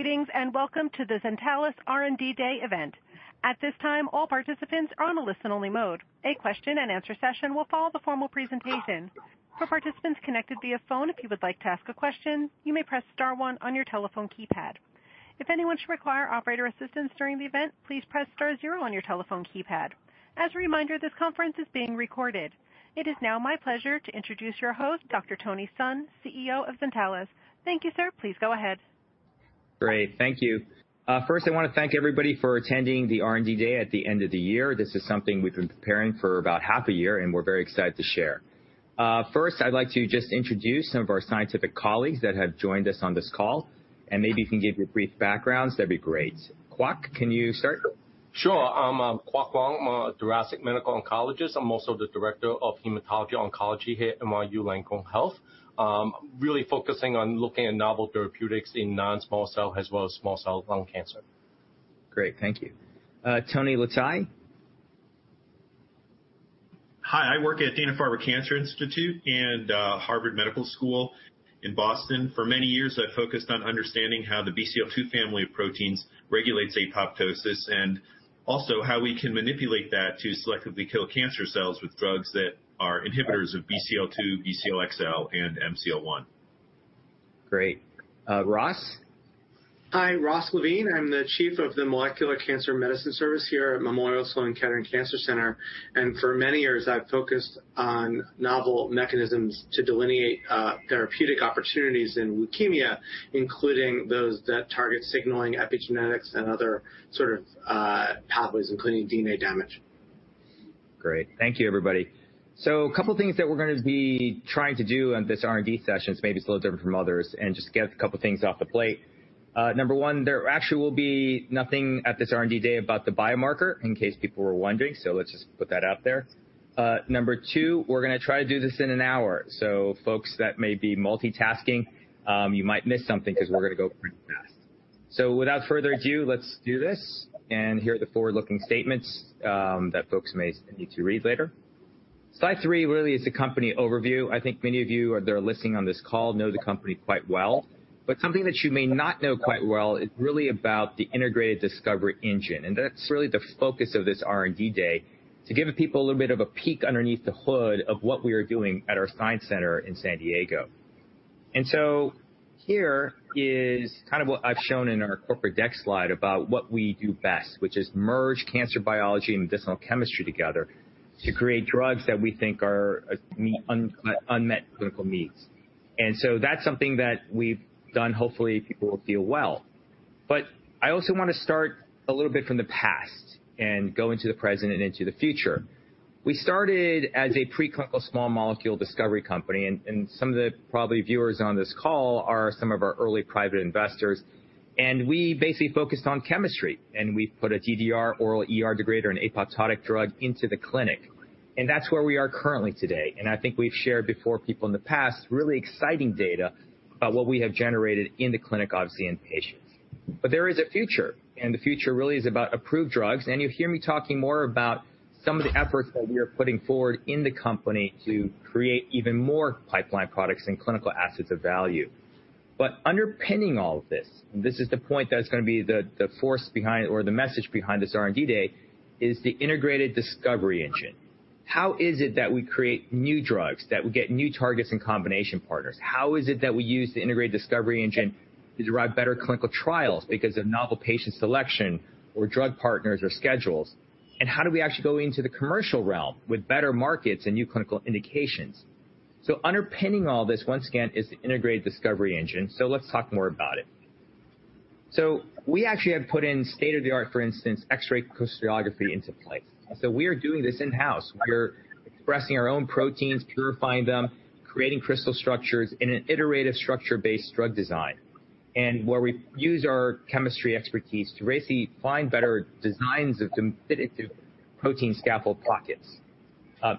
Greetings, and welcome to the Zentalis R&D Day event. At this time, all participants are on a listen-only mode. A question-and-answer session will follow the formal presentation. For participants connected via phone, if you would like to ask a question, you may press star one on your telephone keypad. If anyone should require operator assistance during the event, please press star zero on your telephone keypad. As a reminder, this conference is being recorded. It is now my pleasure to introduce your host, Dr. Anthony Sun, CEO of Zentalis. Thank you, sir. Please go ahead. Great. Thank you. First, I wanna thank everybody for attending the R&D day at the end of the year. This is something we've been preparing for about half a year, and we're very excited to share. First, I'd like to just introduce some of our scientific colleagues that have joined us on this call, and maybe you can give your brief backgrounds, that'd be great. Kwok, can you start? Sure. I'm Kwok Kong. I'm a Thoracic Medical Oncologist. I'm also the Director of Hematology Oncology here at NYU Langone Health. Really focusing on looking at novel therapeutics in non-small cell as well as small cell lung cancer. Great. Thank you. Anthony Letai. Hi. I work at Dana-Farber Cancer Institute and Harvard Medical School in Boston. For many years, I focused on understanding how the BCL2 family of proteins regulates apoptosis, and also how we can manipulate that to selectively kill cancer cells with drugs that are inhibitors of BCL2, BCLXL, and MCL1. Great. Ross? Hi. Ross Levine. I'm the Chief of the Molecular Cancer Medicine Service here at Memorial Sloan Kettering Cancer Center, and for many years I've focused on novel mechanisms to delineate therapeutic opportunities in leukemia, including those that target signaling epigenetics and other sort of pathways, including DNA damage. Great. Thank you, everybody. A couple things that we're gonna be trying to do on this R&D session. It's maybe a little different from others and just get a couple things off the plate. Number one, there actually will be nothing at this R&D Day about the biomarker in case people were wondering, so let's just put that out there. Number two, we're gonna try to do this in an hour. Folks that may be multitasking, you might miss something 'cause we're gonna go pretty fast. Without further ado, let's do this. Here are the forward-looking statements that folks may need to read later. Slide three really is a company overview. I think many of you that are listening on this call know the company quite well, but something that you may not know quite well is really about the integrated discovery engine, and that's really the focus of this R&D day, to give people a little bit of a peek underneath the hood of what we are doing at our science center in San Diego. Here is kind of what I've shown in our corporate deck slide about what we do best, which is merge cancer biology and medicinal chemistry together to create drugs that we think are unmet clinical needs. That's something that we've done, hopefully people will do well. I also wanna start a little bit from the past and go into the present and into the future. We started as a preclinical small molecule discovery company, and some of the probably viewers on this call are some of our early private investors, and we basically focused on chemistry. We've put a DDR oral ER degrader and apoptotic drug into the clinic, and that's where we are currently today. I think we've shared before, people in the past, really exciting data about what we have generated in the clinic, obviously in patients. There is a future, and the future really is about approved drugs, and you'll hear me talking more about some of the efforts that we are putting forward in the company to create even more pipeline products and clinical assets of value. Underpinning all of this is the point that's gonna be the force behind or the message behind this R&D day, is the integrated discovery engine. How is it that we create new drugs, that we get new targets and combination partners? How is it that we use the integrated discovery engine to derive better clinical trials because of novel patient selection or drug partners or schedules? How do we actually go into the commercial realm with better markets and new clinical indications? Underpinning all this, once again, is the integrated discovery engine, so let's talk more about it. We actually have put in state-of-the-art, for instance, X-ray crystallography into place. We are doing this in-house. We're expressing our own proteins, purifying them, creating crystal structures in an iterative structure-based drug design, and where we use our chemistry expertise to basically find better designs of competitive protein scaffold pockets.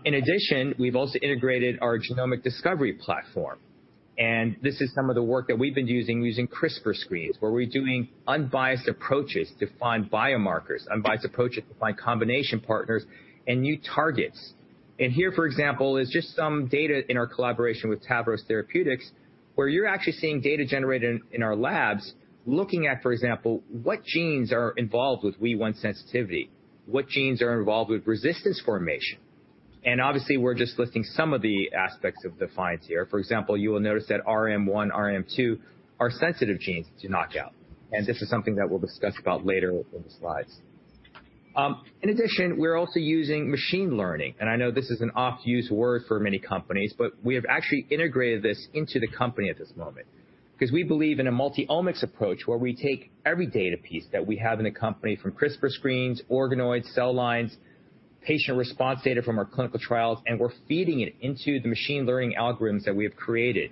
In addition, we've also integrated our genomic discovery platform, and this is some of the work that we've been using CRISPR screens, where we're doing unbiased approaches to find biomarkers, unbiased approaches to find combination partners and new targets. Here, for example, is just some data in our collaboration with Tavros Therapeutics, where you're actually seeing data generated in our labs looking at, for example, what genes are involved with WEE1 sensitivity, what genes are involved with resistance formation. Obviously, we're just listing some of the aspects of the finds here. For example, you will notice that RM1, RM2 are sensitive genes to knockout, and this is something that we'll discuss about later in the slides. In addition, we're also using machine learning, and I know this is an oft-used word for many companies, but we have actually integrated this into the company at this moment. 'Cause we believe in a multi-omics approach where we take every data piece that we have in the company from CRISPR screens, organoids, cell lines, patient response data from our clinical trials, and we're feeding it into the machine learning algorithms that we have created.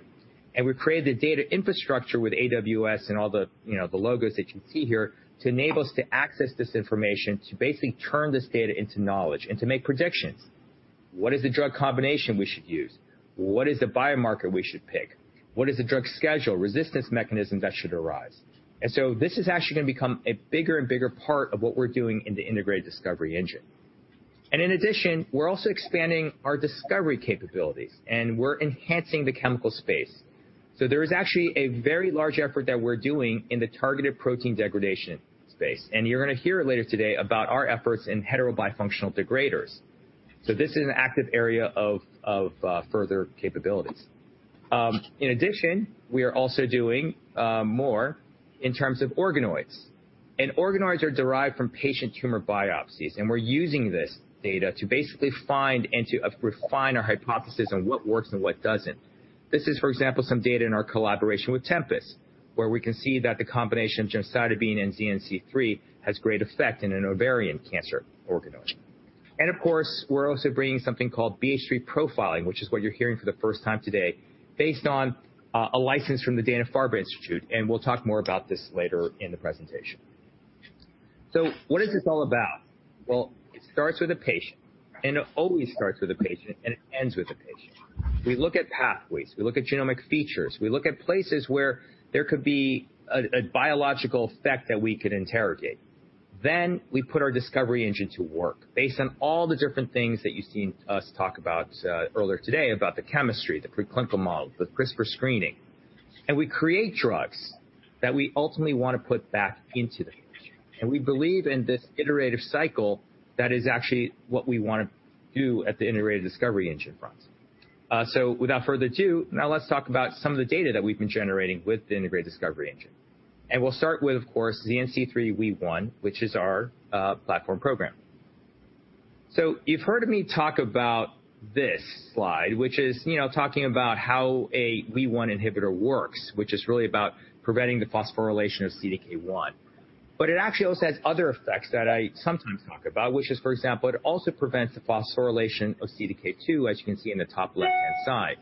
We've created the data infrastructure with AWS and all the, you know, the logos that you see here to enable us to access this information to basically turn this data into knowledge and to make predictions. What is the drug combination we should use? What is the biomarker we should pick? What is the drug schedule resistance mechanism that should arise? This is actually gonna become a bigger and bigger part of what we're doing in the integrated discovery engine. In addition, we're also expanding our discovery capabilities, and we're enhancing the chemical space. There is actually a very large effort that we're doing in the targeted protein degradation space, and you're gonna hear it later today about our efforts in heterobifunctional degraders. This is an active area of further capabilities. In addition, we are also doing more in terms of organoids. Organoids are derived from patient tumor biopsies, and we're using this data to basically find and to refine our hypothesis on what works and what doesn't. This is, for example, some data in our collaboration with Tempus, where we can see that the combination of gemcitabine and ZN-c3 has great effect in an ovarian cancer organoid. Of course, we're also bringing something called BH3 profile, which is what you're hearing for the first time today, based on a license from the Dana-Farber Institute, and we'll talk more about this later in the presentation. What is this all about? Well, it starts with a patient, and it always starts with a patient, and it ends with a patient. We look at pathways, we look at genomic features, we look at places where there could be a biological effect that we could interrogate. Then we put our discovery engine to work based on all the different things that you've seen us talk about earlier today about the chemistry, the preclinical models, the CRISPR screening. We create drugs that we ultimately wanna put back into the future. We believe in this iterative cycle that is actually what we wanna do at the integrated discovery engine front. Without further ado, now let's talk about some of the data that we've been generating with the integrated discovery engine. We'll start with, of course, ZN-c3 WEE1, which is our platform program. You've heard me talk about this slide, which is, you know, talking about how a WEE1 inhibitor works, which is really about preventing the phosphorylation of CDK1. It actually also has other effects that I sometimes talk about, which is, for example, it also prevents the phosphorylation of CDK2, as you can see in the top left-hand side.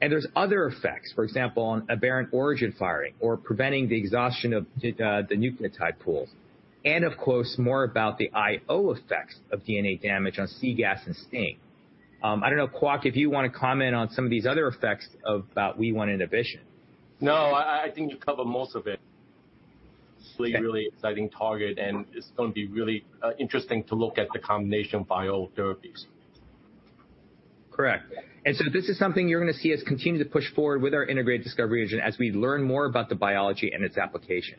There's other effects, for example, on aberrant origin firing or preventing the exhaustion of the nucleotide pools, and of course, more about the IO effects of DNA damage on cGAS and STING. I don't know, Kwok, if you wanna comment on some of these other effects about WEE1 inhibition. No, I think you covered most of it. Okay. Really exciting target, and it's gonna be really interesting to look at the combination bio therapies. Correct. This is something you're gonna see us continue to push forward with our integrated discovery engine as we learn more about the biology and its application.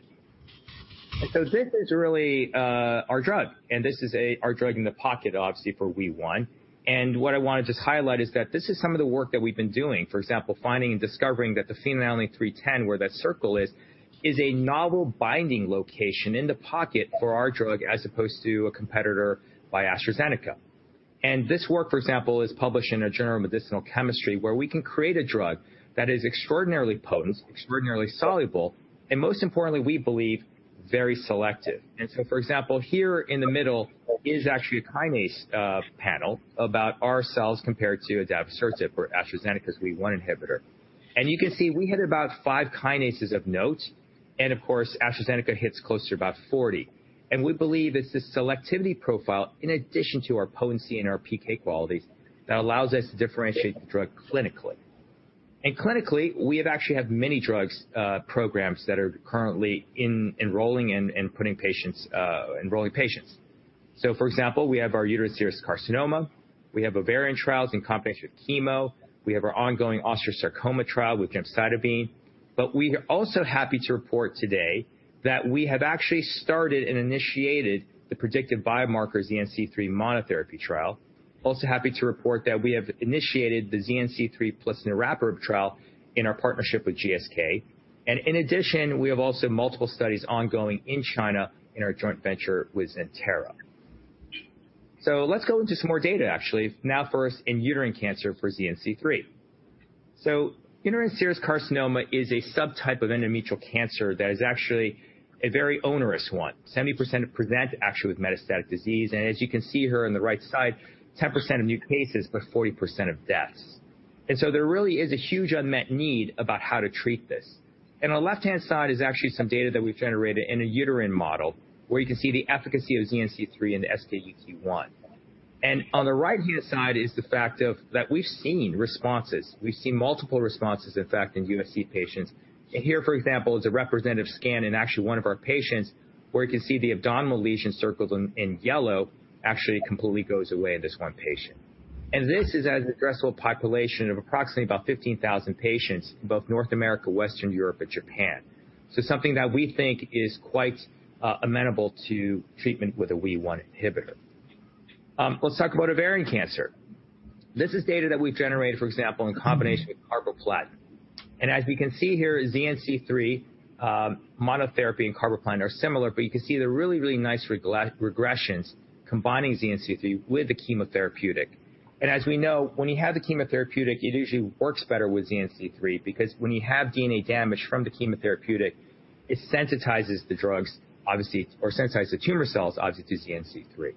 This is really our drug, and this is our drug in the pocket, obviously, for WEE1. What I wanna just highlight is that this is some of the work that we've been doing, for example, finding and discovering that the phenylalanine 310, where that circle is a novel binding location in the pocket for our drug as opposed to a competitor by AstraZeneca. This work, for example, is published in the Journal of Medicinal Chemistry where we can create a drug that is extraordinarily potent, extraordinarily soluble, and most importantly, we believe, very selective. For example, here in the middle is actually a kinase panel about our cells compared to adagrasib or AstraZeneca's WEE1 inhibitor. You can see we hit about five kinases of note, and of course, AstraZeneca hits close to about 40. We believe it's the selectivity profile in addition to our potency and our PK qualities that allows us to differentiate the drug clinically. Clinically, we actually have many drug programs that are currently enrolling and putting patients, enrolling patients. For example, we have our uterine serous carcinoma, we have ovarian trials in combination with chemo, we have our ongoing osteosarcoma trial with gemcitabine, but we are also happy to report today that we have actually started and initiated the predictive biomarker ZN-c3 monotherapy trial. Also happy to report that we have initiated the ZN-c3 plus niraparib trial in our partnership with GSK. In addition, we have also multiple studies ongoing in China in our joint venture with Zentera. Let's go into some more data actually, now first in uterine cancer for ZN-c3. Uterine serous carcinoma is a subtype of endometrial cancer that is actually a very onerous one. 70% present actually with metastatic disease, and as you can see here on the right side, 10% of new cases, but 40% of deaths. There really is a huge unmet need about how to treat this. On the left-hand side is actually some data that we've generated in a uterine model, where you can see the efficacy of ZN-c3 in the SK-UT-1. On the right-hand side is the fact that we've seen responses. We've seen multiple responses, in fact, in USC patients. Here, for example, is a representative scan in actually one of our patients, where you can see the abdominal lesion circled in yellow actually completely goes away in this one patient. This is an addressable population of approximately 15,000 patients in both North America, Western Europe, and Japan. Something that we think is quite amenable to treatment with a WEE1 inhibitor. Let's talk about ovarian cancer. This is data that we've generated, for example, in combination with carboplatin. As we can see here, ZN-c3 monotherapy and carboplatin are similar, but you can see the really, really nice regressions combining ZN-c3 with the chemotherapeutic. As we know, when you have the chemotherapeutic, it usually works better with ZN-c3 because when you have DNA damage from the chemotherapeutic, it sensitizes the drugs obviously, or sensitize the tumor cells obviously to ZN-c3.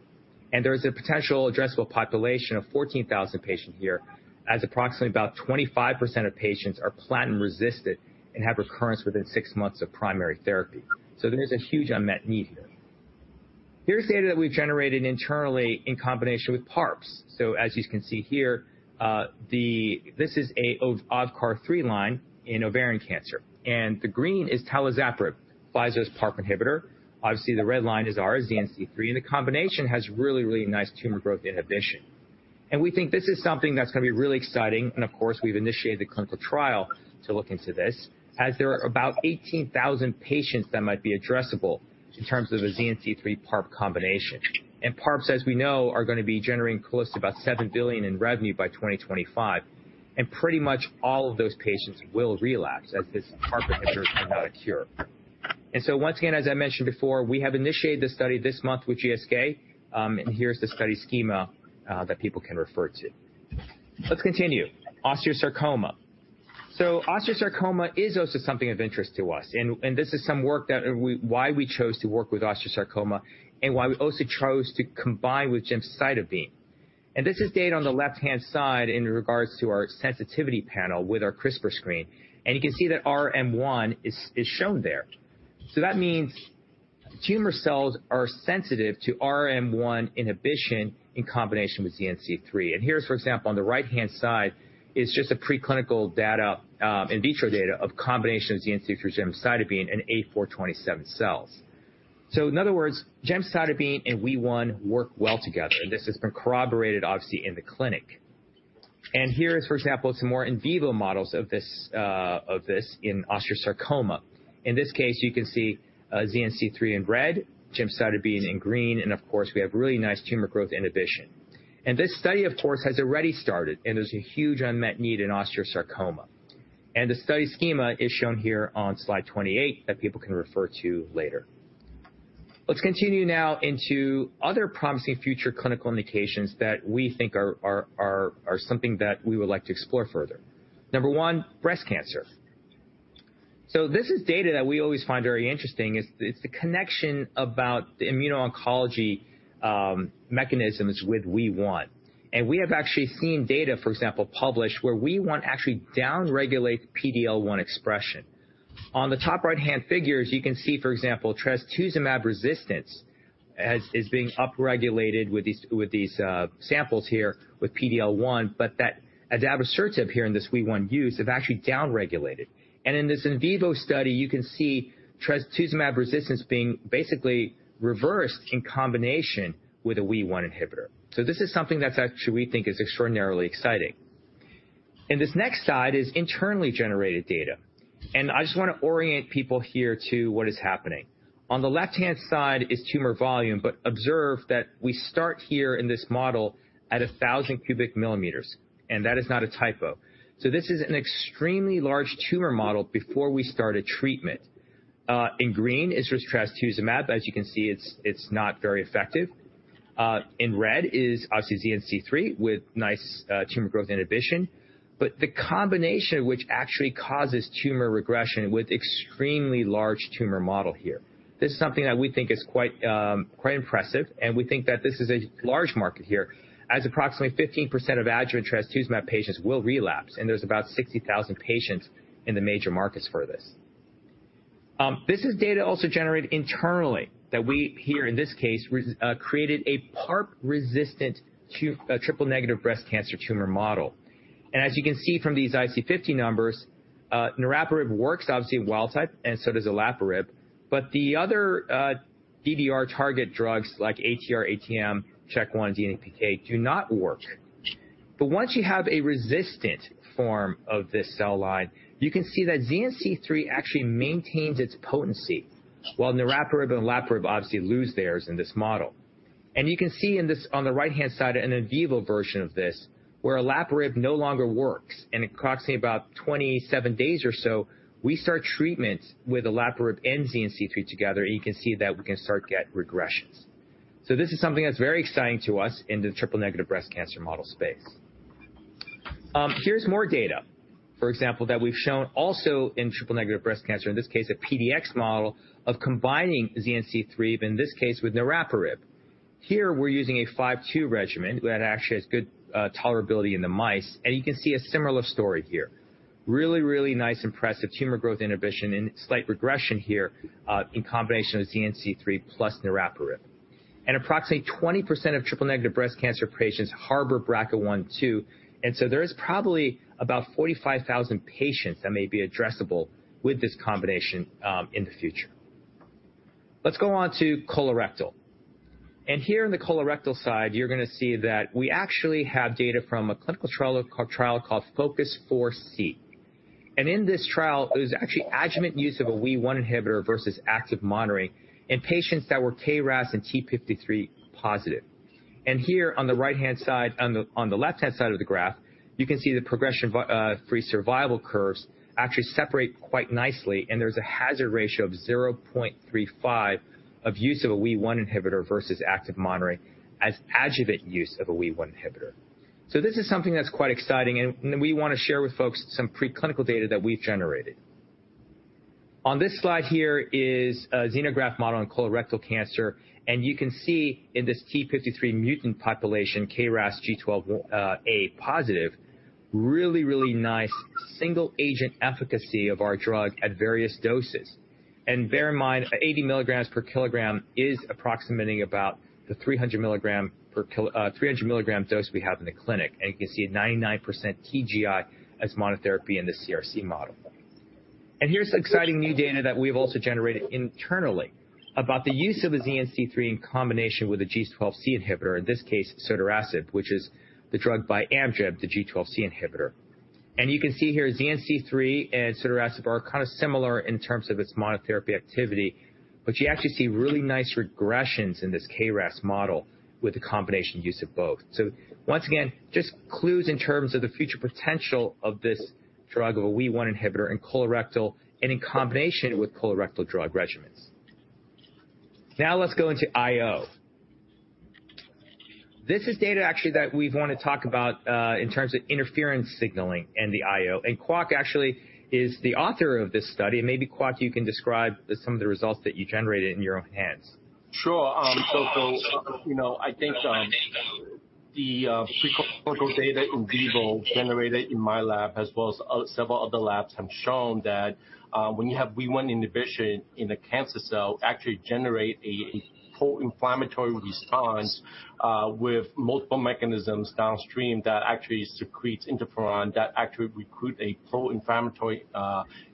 There is a potential addressable population of 14,000 patients here, as approximately about 25% of patients are platinum resistant and have recurrence within six months of primary therapy. There is a huge unmet need here. Here's the data that we've generated internally in combination with PARPs. As you can see here, this is an OVCAR3 line in ovarian cancer, and the green is talazoparib, Pfizer's PARP inhibitor. Obviously, the red line is our ZN-c3, and the combination has really, really nice tumor growth inhibition. We think this is something that's gonna be really exciting, and of course, we've initiated the clinical trial to look into this, as there are about 18,000 patients that might be addressable in terms of a ZN-c3 PARP combination. PARPs, as we know, are gonna be generating close to about $7 billion in revenue by 2025, and pretty much all of those patients will relapse as this PARP inhibitor is not a cure. Once again, as I mentioned before, we have initiated this study this month with GSK, and here's the study schema that people can refer to. Let's continue. Osteosarcoma. Osteosarcoma is also something of interest to us and this is some work that we chose to work with osteosarcoma and why we also chose to combine with gemcitabine. This is data on the left-hand side in regards to our sensitivity panel with our CRISPR screen. You can see that RM1 is shown there. That means tumor cells are sensitive to RM1 inhibition in combination with ZN-c3. Here's, for example, on the right-hand side, is just a preclinical data, in vitro data of combination of ZN-c3 gemcitabine in A427 cells. In other words, gemcitabine and WEE1 work well together. This has been corroborated, obviously, in the clinic. Here is, for example, some more in vivo models of this in osteosarcoma. In this case, you can see, ZN-c3 in red, gemcitabine in green, and of course, we have really nice tumor growth inhibition. This study, of course, has already started, and there's a huge unmet need in osteosarcoma. The study schema is shown here on slide 28 that people can refer to later. Let's continue now into other promising future clinical indications that we think are something that we would like to explore further. Number one, breast cancer. This is data that we always find very interesting is it's the connection about the immuno-oncology mechanisms with WEE1. We have actually seen data, for example, published, where WEE1 actually down-regulate PD-L1 expression. On the top right-hand figures, you can see, for example, trastuzumab resistance is being upregulated with these samples here with PD-L1, but that adavosertib here in this WEE1 use have actually down-regulated. In this in vivo study, you can see trastuzumab resistance being basically reversed in combination with a WEE1 inhibitor. This is something that actually we think is extraordinarily exciting. This next slide is internally generated data. I just wanna orient people here to what is happening. On the left-hand side is tumor volume, but observe that we start here in this model at 1,000 cubic millimeters, and that is not a typo. This is an extremely large tumor model before we start a treatment. In green is just trastuzumab. As you can see, it's not very effective. In red is obviously ZN-c3 with nice tumor growth inhibition. The combination which actually causes tumor regression with extremely large tumor model here. This is something that we think is quite impressive, and we think that this is a large market here, as approximately 15% of adjuvant trastuzumab patients will relapse, and there's about 60,000 patients in the major markets for this. This is data also generated internally that we here, in this case, created a PARP-resistant triple-negative breast cancer tumor model. As you can see from these IC 50 numbers, niraparib works obviously in wild type, and so does olaparib. The other DDR target drugs like ATR, ATM, CHK1, DNA-PK do not work. Once you have a resistant form of this cell line, you can see that ZN-c3 actually maintains its potency, while niraparib and olaparib obviously lose theirs in this model. You can see on the right-hand side an in vivo version of this, where olaparib no longer works, and it costs me about 27 days or so, we start treatment with olaparib and ZN-c3 together, and you can see that we can start to get regressions. This is something that's very exciting to us in the triple negative breast cancer model space. Here's more data, for example, that we've shown also in triple negative breast cancer, in this case, a PDX model of combining ZN-c3, but in this case, with niraparib. Here we're using a 5-2 regimen that actually has good tolerability in the mice, and you can see a similar story here. Really, really nice impressive tumor growth inhibition and slight regression here in combination with ZN-c3 plus niraparib. Approximately 20% of triple negative breast cancer patients harbor BRCA 1, 2, and so there is probably about 45,000 patients that may be addressable with this combination in the future. Let's go on to colorectal. Here in the colorectal side, you're gonna see that we actually have data from a clinical trial called FOCUS4-C. In this trial, it was actually adjuvant use of a WEE1 inhibitor versus active monitoring in patients that were KRAS and TP53 positive. Here on the right-hand side. On the left-hand side of the graph, you can see the progression of free survival curves actually separate quite nicely, and there's a hazard ratio of 0.35 of use of a WEE1 inhibitor versus active monitoring as adjuvant use of a WEE1 inhibitor. This is something that's quite exciting, and we wanna share with folks some preclinical data that we've generated. On this slide here is a xenograft model in colorectal cancer, and you can see in this TP53 mutant population, KRAS G12C positive, really nice single agent efficacy of our drug at various doses. Bear in mind, 80 mg/kg is approximating about the 300 mg/kg. 300 mg dose we have in the clinic. You can see a 99% TGI as monotherapy in the CRC model. Here's exciting new data that we've also generated internally about the use of a ZN-c3 in combination with a G12C inhibitor, in this case, sotorasib, which is the drug by Amgen, the G12C inhibitor. You can see here ZN-c3 and sotorasib are kind of similar in terms of its monotherapy activity, but you actually see really nice regressions in this KRAS model with the combination use of both. Once again, just clues in terms of the future potential of this drug of a WEE1 inhibitor in colorectal and in combination with colorectal drug regimens. Now let's go into IO. This is data actually that we wanna talk about in terms of interferon signaling and the IO. Kwok actually is the author of this study. Maybe Kwok, you can describe some of the results that you generated in your own hands. Sure. You know, I think the preclinical data in vivo generated in my lab as well as several other labs have shown that when you have WEE1 inhibition in a cancer cell, actually generate a pro-inflammatory response with multiple mechanisms downstream that actually secretes interferon, that actually recruit a pro-inflammatory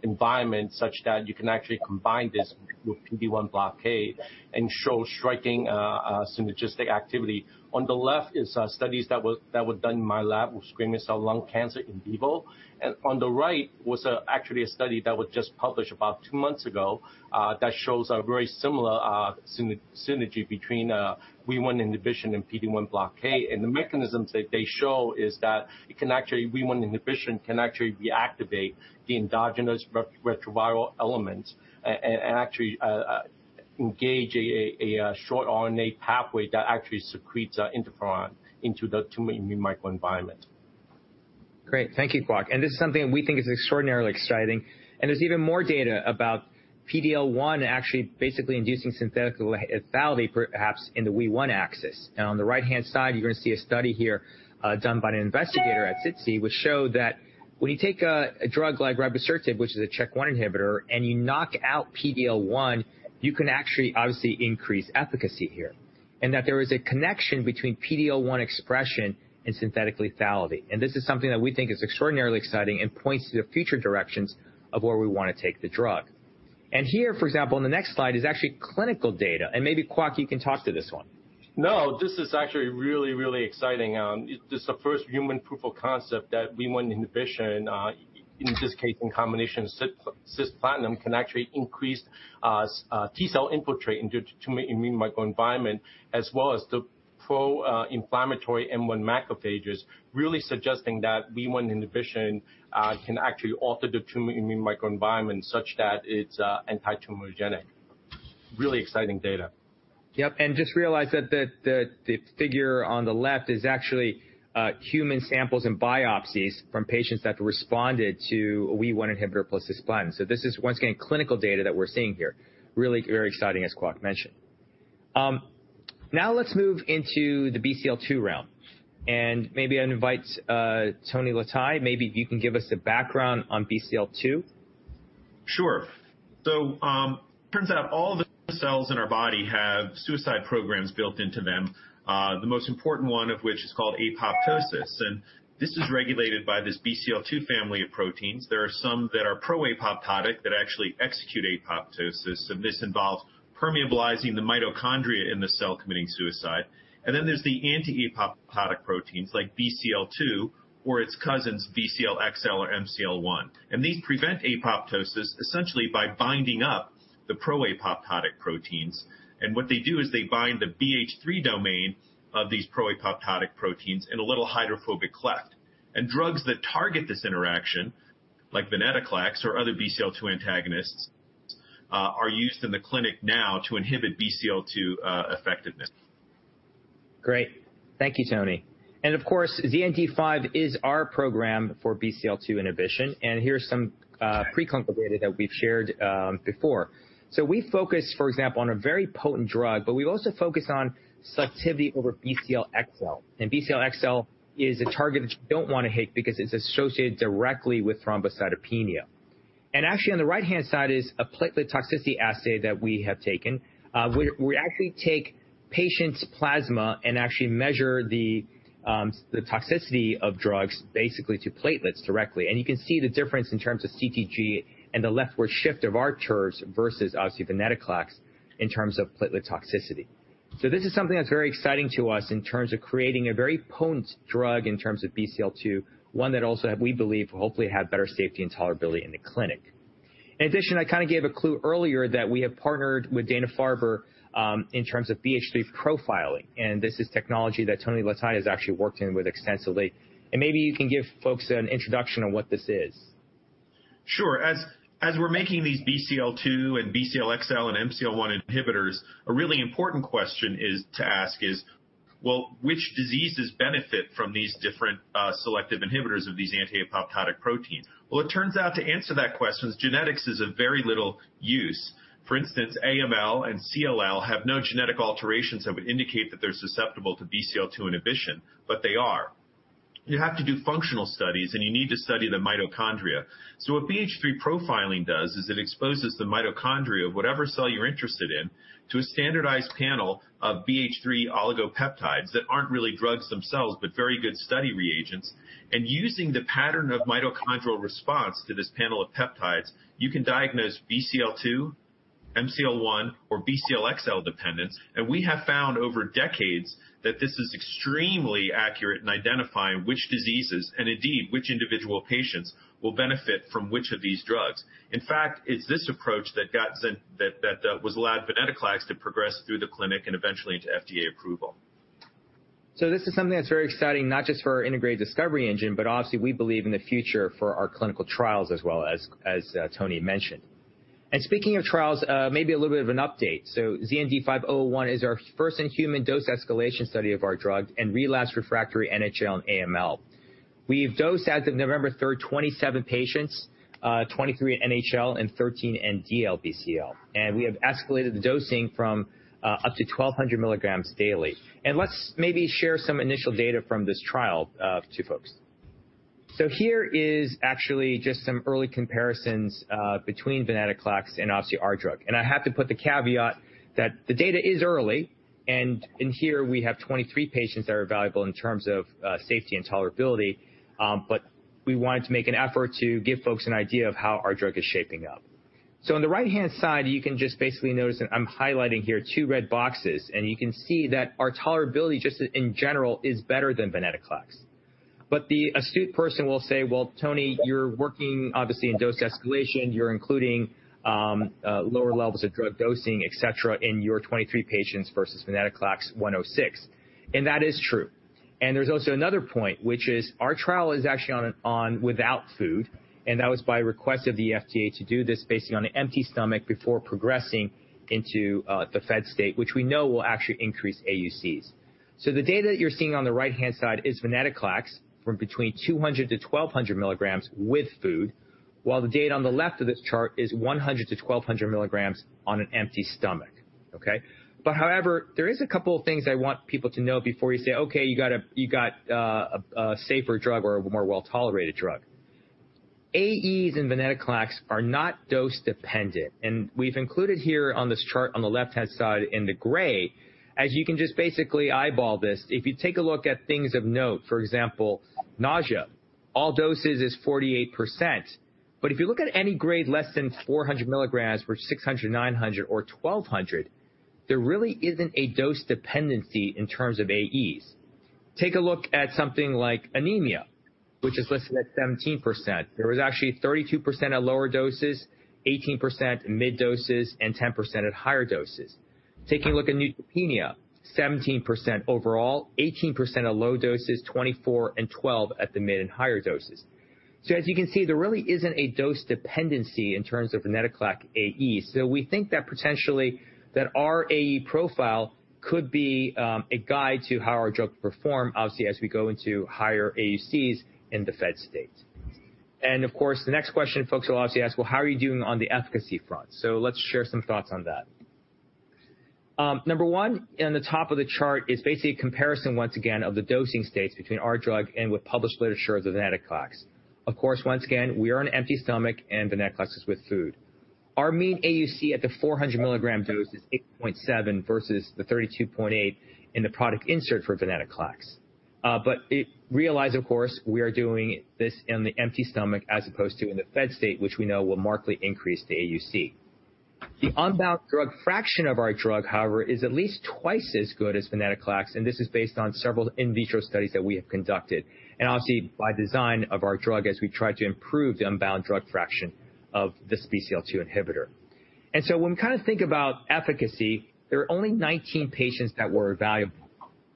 environment such that you can actually combine this with PD-1 blockade and show striking synergistic activity. On the left is studies that were done in my lab with squamous cell lung cancer in vivo. On the right was actually a study that was just published about two months ago that shows a very similar synergy between WEE1 inhibition and PD-1 blockade. The mechanisms that they show is that WEE1 inhibition can actually reactivate the endogenous retroviral elements and actually engage a short RNA pathway that actually secretes interferon into the tumor immune microenvironment. Great. Thank you, Kwok. This is something we think is extraordinarily exciting, and there's even more data about PD-L1 actually basically inducing synthetic lethality perhaps in the WEE1 axis. Now, on the right-hand side, you're gonna see a study here done by an investigator at SITC, which shows that when you take a drug like prexasertib, which is a CHK1 inhibitor, and you knock out PD-L1, you can actually obviously increase efficacy here. That there is a connection between PD-L1 expression and synthetic lethality. This is something that we think is extraordinarily exciting and points to the future directions of where we wanna take the drug. Here, for example, on the next slide, is actually clinical data. Maybe Kwok, you can talk to this one. No, this is actually really, really exciting. This is the first human proof of concept that WEE1 inhibition, in this case in combination with cisplatin, can actually increase T-cell infiltrate into tumor immune microenvironment as well as the pro-inflammatory M1 macrophages, really suggesting that WEE1 inhibition can actually alter the tumor immune microenvironment such that it's antitumorigenic. Really exciting data. Yep, just realize that the figure on the left is actually human samples and biopsies from patients that responded to WEE1 inhibitor plus cisplatin. This is once again clinical data that we're seeing here, really very exciting as Kwok mentioned. Now let's move into the BCL-2 realm. Maybe I invite Anthony Letai, maybe you can give us a background on BCL-2. Sure. Turns out all the cells in our body have suicide programs built into them, the most important one of which is called apoptosis. This is regulated by this BCL-2 family of proteins. There are some that are pro-apoptotic that actually execute apoptosis, and this involves permeabilizing the mitochondria in the cell committing suicide. There's the anti-apoptotic proteins like BCL-2 or its cousins, BCL-xL or MCL-1. These prevent apoptosis essentially by binding up the pro-apoptotic proteins. What they do is they bind the BH3 domain of these pro-apoptotic proteins in a little hydrophobic cleft. Drugs that target this interaction, like venetoclax or other BCL-2 antagonists, are used in the clinic now to inhibit BCL-2 effectiveness. Great. Thank you, Tony. Of course, ZN-d5 is our program for BCL-2 inhibition, and here's some pre-clinical data that we've shared before. We focus, for example, on a very potent drug, but we also focus on selectivity over BCL-xL. BCL-xL is a target that you don't wanna hit because it's associated directly with thrombocytopenia. Actually on the right-hand side is a platelet toxicity assay that we have taken. We actually take patients' plasma and actually measure the toxicity of drugs basically to platelets directly. You can see the difference in terms of CTG and the leftward shift of our curves versus obviously venetoclax in terms of platelet toxicity. This is something that's very exciting to us in terms of creating a very potent drug in terms of BCL-2, one that we believe will hopefully have better safety and tolerability in the clinic. In addition, I kinda gave a clue earlier that we have partnered with Dana-Farber in terms of BH3 profiling, and this is technology that Anthony Letai has actually worked in with extensively. Maybe you can give folks an introduction on what this is. Sure. As we're making these BCL-2 and BCL-xL and MCL-1 inhibitors, a really important question is to ask, well, which diseases benefit from these different selective inhibitors of these anti-apoptotic proteins? Well, it turns out to answer that question, genetics is of very little use. For instance, AML and CLL have no genetic alterations that would indicate that they're susceptible to BCL-2 inhibition, but they are. You have to do functional studies, and you need to study the mitochondria. What BH3 profiling does is it exposes the mitochondria of whatever cell you're interested in to a standardized panel of BH3 oligopeptides that aren't really drugs themselves, but very good study reagents. Using the pattern of mitochondrial response to this panel of peptides, you can diagnose BCL-2, MCL1 or BCL-xL dependence, and we have found over decades that this is extremely accurate in identifying which diseases, and indeed which individual patients, will benefit from which of these drugs. In fact, it's this approach that allowed venetoclax to progress through the clinic and eventually to FDA approval. This is something that's very exciting, not just for our integrated discovery engine, but obviously we believe in the future for our clinical trials as well as Tony mentioned. Speaking of trials, maybe a little bit of an update. ZN-d5-001 is our first-in-human dose escalation study of our drug in relapsed refractory NHL and AML. We've dosed as of November third, 27 patients, 23 NHL and 13 in DLBCL, and we have escalated the dosing from up to 1,200 milligrams daily. Let's maybe share some initial data from this trial to folks. Here is actually just some early comparisons between venetoclax and obviously our drug. I have to put the caveat that the data is early, and in here we have 23 patients that are valuable in terms of safety and tolerability, but we wanted to make an effort to give folks an idea of how our drug is shaping up. So on the right-hand side, you can just basically notice that I'm highlighting here two red boxes, and you can see that our tolerability, just in general, is better than venetoclax. But the astute person will say, "Well, Tony, you're working obviously in dose escalation, you're including lower levels of drug dosing, et cetera, in your 23 patients versus venetoclax 106." That is true. There's also another point, which is our trial is actually on without food, and that was by request of the FDA to do this basically on an empty stomach before progressing into the fed state, which we know will actually increase AUCs. The data that you're seeing on the right-hand side is venetoclax from between 200-1200 milligrams with food, while the data on the left of this chart is 100-1200 milligrams on an empty stomach. Okay. There is a couple of things I want people to know before you say, "Okay, you got a safer drug or a more well-tolerated drug." AEs in venetoclax are not dose-dependent, and we've included here on this chart on the left-hand side in the gray, as you can just basically eyeball this, if you take a look at things of note, for example, nausea, all doses is 48%. If you look at any grade less than 400 milligrams versus 600, 900 or 1200, there really isn't a dose dependency in terms of AEs. Take a look at something like anemia, which is listed at 17%. There was actually 32% at lower doses, 18% mid doses, and 10% at higher doses. Taking a look at neutropenia, 17% overall, 18% at low doses, 24% and 12% at the mid and higher doses. As you can see, there really isn't a dose dependency in terms of venetoclax AEs, so we think that potentially that our AE profile could be a guide to how our drug perform obviously as we go into higher AUCs in the fed state. Of course, the next question folks will obviously ask, "Well, how are you doing on the efficacy front?" Let's share some thoughts on that. Number one in the top of the chart is basically a comparison once again of the dosing states between our drug and with published literature of venetoclax. Of course, once again, we are on empty stomach and venetoclax is with food. Our mean AUC at the 400 mg dose is 8.7 versus the 32.8 in the product insert for venetoclax. Realize, of course, we are doing this in the empty stomach as opposed to in the fed state, which we know will markedly increase the AUC. The unbound drug fraction of our drug, however, is at least twice as good as venetoclax, and this is based on several in vitro studies that we have conducted, and obviously by design of our drug as we try to improve the unbound drug fraction of this BCL-2 inhibitor. When we kind of think about efficacy, there are only 19 patients that were evaluable.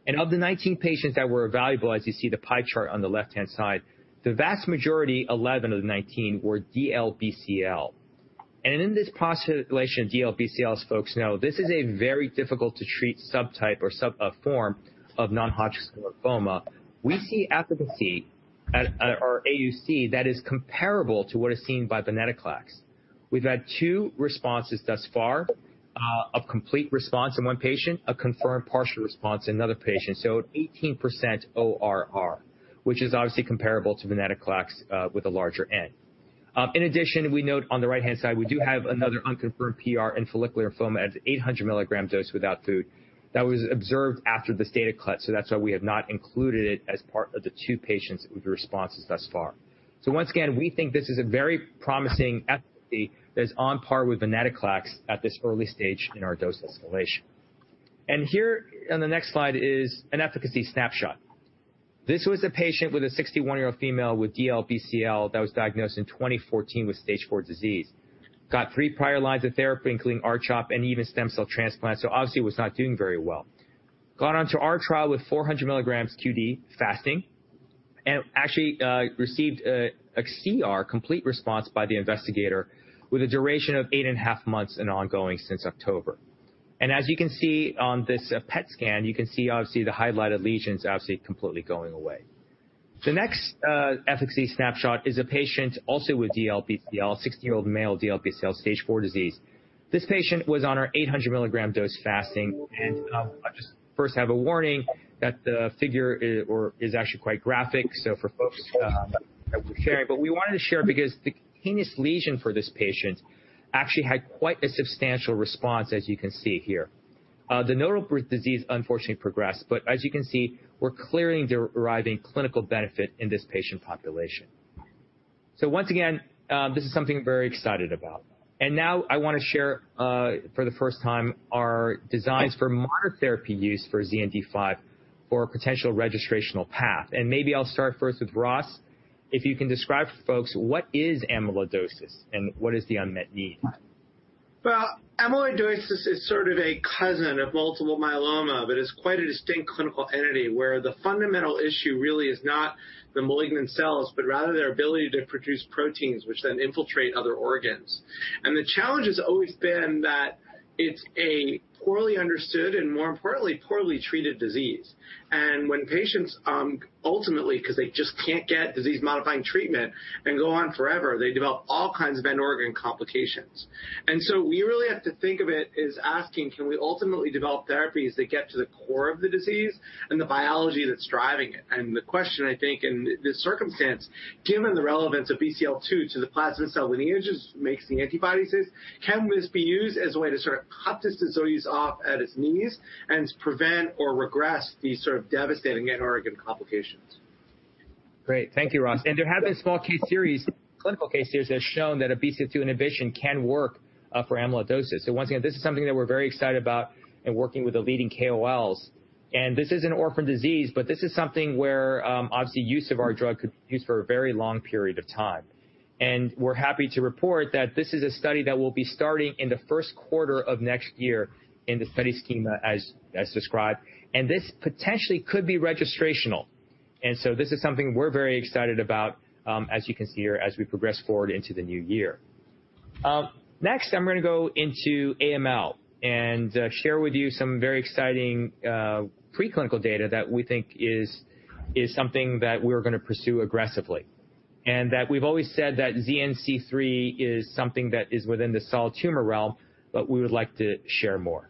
Of the 19 patients that were evaluable, as you see the pie chart on the left-hand side, the vast majority, 11 of the 19, were DLBCL. In this population, DLBCLs, folks know, this is a very difficult to treat subtype form of non-Hodgkin's lymphoma. We see efficacy at our AUC that is comparable to what is seen by venetoclax. We've had two responses thus far, a complete response in one patient, a confirmed partial response in another patient, so at 18% ORR, which is obviously comparable to venetoclax, with a larger N. In addition, we note on the right-hand side, we do have another unconfirmed PR in follicular lymphoma at 800 mg dose without food. That was observed after this data cut, so that's why we have not included it as part of the two patients with responses thus far. Once again, we think this is a very promising efficacy that is on par with venetoclax at this early stage in our dose escalation. Here on the next slide is an efficacy snapshot. This was a patient with a 61-year-old female with DLBCL that was diagnosed in 2014 with stage four disease. Got three prior lines of therapy, including R-CHOP and even stem cell transplant, so obviously was not doing very well. Got onto our trial with 400 milligrams QD fasting and actually received a CR, complete response by the investigator with a duration of 8.5 months and ongoing since October. As you can see on this PET scan, you can see obviously the highlighted lesions obviously completely going away. The next efficacy snapshot is a patient also with DLBCL, 60-year-old male, DLBCL, stage four disease. This patient was on our 800 mg dose fasting and I just first have a warning that the figure is actually quite graphic, so for folks that we're sharing. But we wanted to share because the cutaneous lesion for this patient actually had quite a substantial response, as you can see here. The nodal disease unfortunately progressed, but as you can see, we're clearly deriving clinical benefit in this patient population. Once again, this is something I'm very excited about. Now I wanna share for the first time, our designs for monotherapy use for ZN-d5 for a potential registrational path. Maybe I'll start first with Ross. If you can describe for folks, what is amyloidosis, and what is the unmet need? Well, amyloidosis is sort of a cousin of multiple myeloma, but is quite a distinct clinical entity, where the fundamental issue really is not the malignant cells, but rather their ability to produce proteins, which then infiltrate other organs. The challenge has always been that it's a poorly understood, and more importantly, poorly treated disease. When patients ultimately, 'cause they just can't get disease-modifying treatment and go on forever, they develop all kinds of end organ complications. We really have to think of it as asking, can we ultimately develop therapies that get to the core of the disease and the biology that's driving it? The question I think in this circumstance, given the relevance of BCL-2 to the plasma cell lineages makes the antibodies, can this be used as a way to sort of cut this disease off at its knees and prevent or regress these sort of devastating end organ complications? Great. Thank you, Ross. There have been small case series, clinical case series, that have shown that a BCL-2 inhibition can work for amyloidosis. Once again, this is something that we're very excited about in working with the leading KOLs. This is an orphan disease, but this is something where obviously use of our drug could be used for a very long period of time. We're happy to report that this is a study that will be starting in the Q1 of next year in the study schema as described, and this potentially could be registrational. This is something we're very excited about as you can see, or as we progress forward into the new year. Next I'm gonna go into AML and share with you some very exciting preclinical data that we think is something that we're gonna pursue aggressively. That we've always said that ZN-c3 is something that is within the solid tumor realm, but we would like to share more.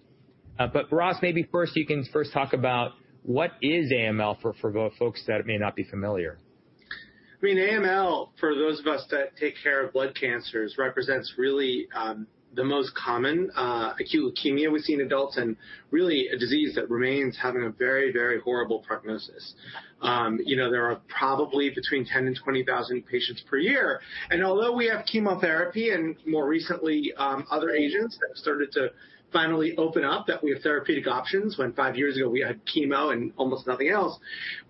Ross, maybe first you can talk about what is AML for folks that may not be familiar. I mean, AML, for those of us that take care of blood cancers, represents really the most common acute leukemia we see in adults and really a disease that remains having a very, very horrible prognosis. You know, there are probably between 10,000-20,000 patients per year, and although we have chemotherapy and more recently other agents that have started to finally open up, that we have therapeutic options, when five years ago we had chemo and almost nothing else,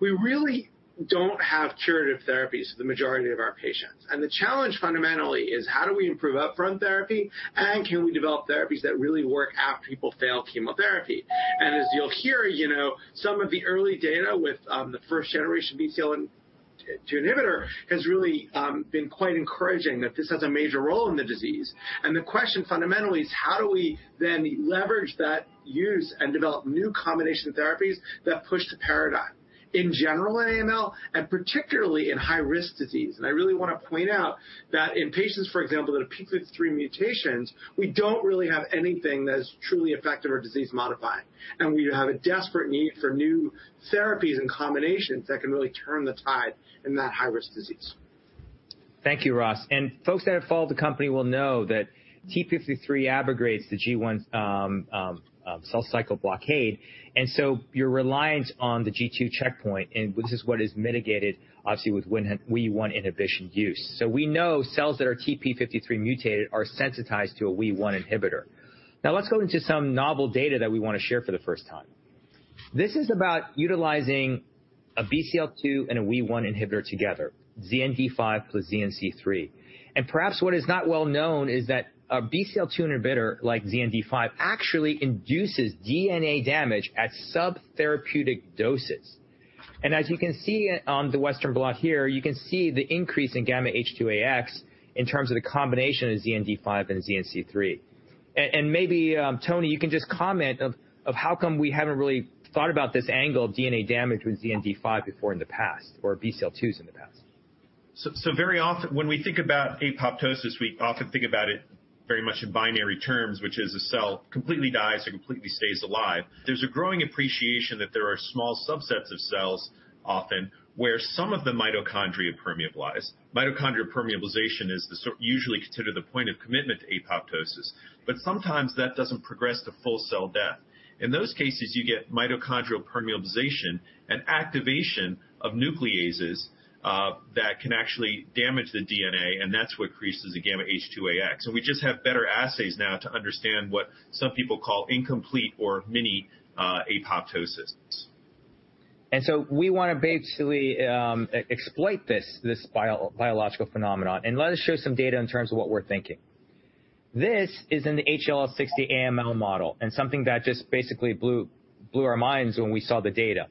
we really don't have curative therapies for the majority of our patients. The challenge fundamentally is how do we improve upfront therapy, and can we develop therapies that really work after people fail chemotherapy? As you'll hear, you know, some of the early data with the first generation BCL-2 inhibitor has really been quite encouraging that this has a major role in the disease. The question fundamentally is how do we then leverage that use and develop new combination therapies that push the paradigm in general in AML, and particularly in high-risk disease? I really wanna point out that in patients, for example, that have TP53 mutations, we don't really have anything that is truly effective or disease-modifying, and we have a desperate need for new therapies and combinations that can really turn the tide in that high-risk disease. Thank you, Ross. Folks that have followed the company will know that TP53 abrogates the G1 cell cycle blockade, and so you're reliant on the G2 checkpoint, and this is what is mitigated obviously with WEE1 inhibition use. We know cells that are TP53 mutated are sensitized to a WEE1 inhibitor. Now let's go into some novel data that we wanna share for the first time. This is about utilizing a BCL-2 and a WEE1 inhibitor together, ZN-d5 plus ZN-c3. Perhaps what is not well known is that a BCL-2 inhibitor like ZN-d5 actually induces DNA damage at subtherapeutic doses. As you can see on the western blot here, you can see the increase in γH2AX in terms of the combination of ZN-d5 and ZN-c3. Maybe, Tony, you can just comment on how come we haven't really thought about this angle of DNA damage with ZN-d5 before in the past or BCL-2s in the past. Very often when we think about apoptosis, we often think about it very much in binary terms, which is a cell completely dies or completely stays alive. There's a growing appreciation that there are small subsets of cells, often, where some of the mitochondria permeabilize. Mitochondrial permeabilization usually considered the point of commitment to apoptosis, but sometimes that doesn't progress to full cell death. In those cases, you get mitochondrial permeabilization and activation of nucleases that can actually damage the DNA, and that's what increases the γH2AX. We just have better assays now to understand what some people call incomplete or mini apoptosis. We wanna basically exploit this biological phenomenon. Let us show some data in terms of what we're thinking. This is in the HL60 AML model, and something that just basically blew our minds when we saw the data.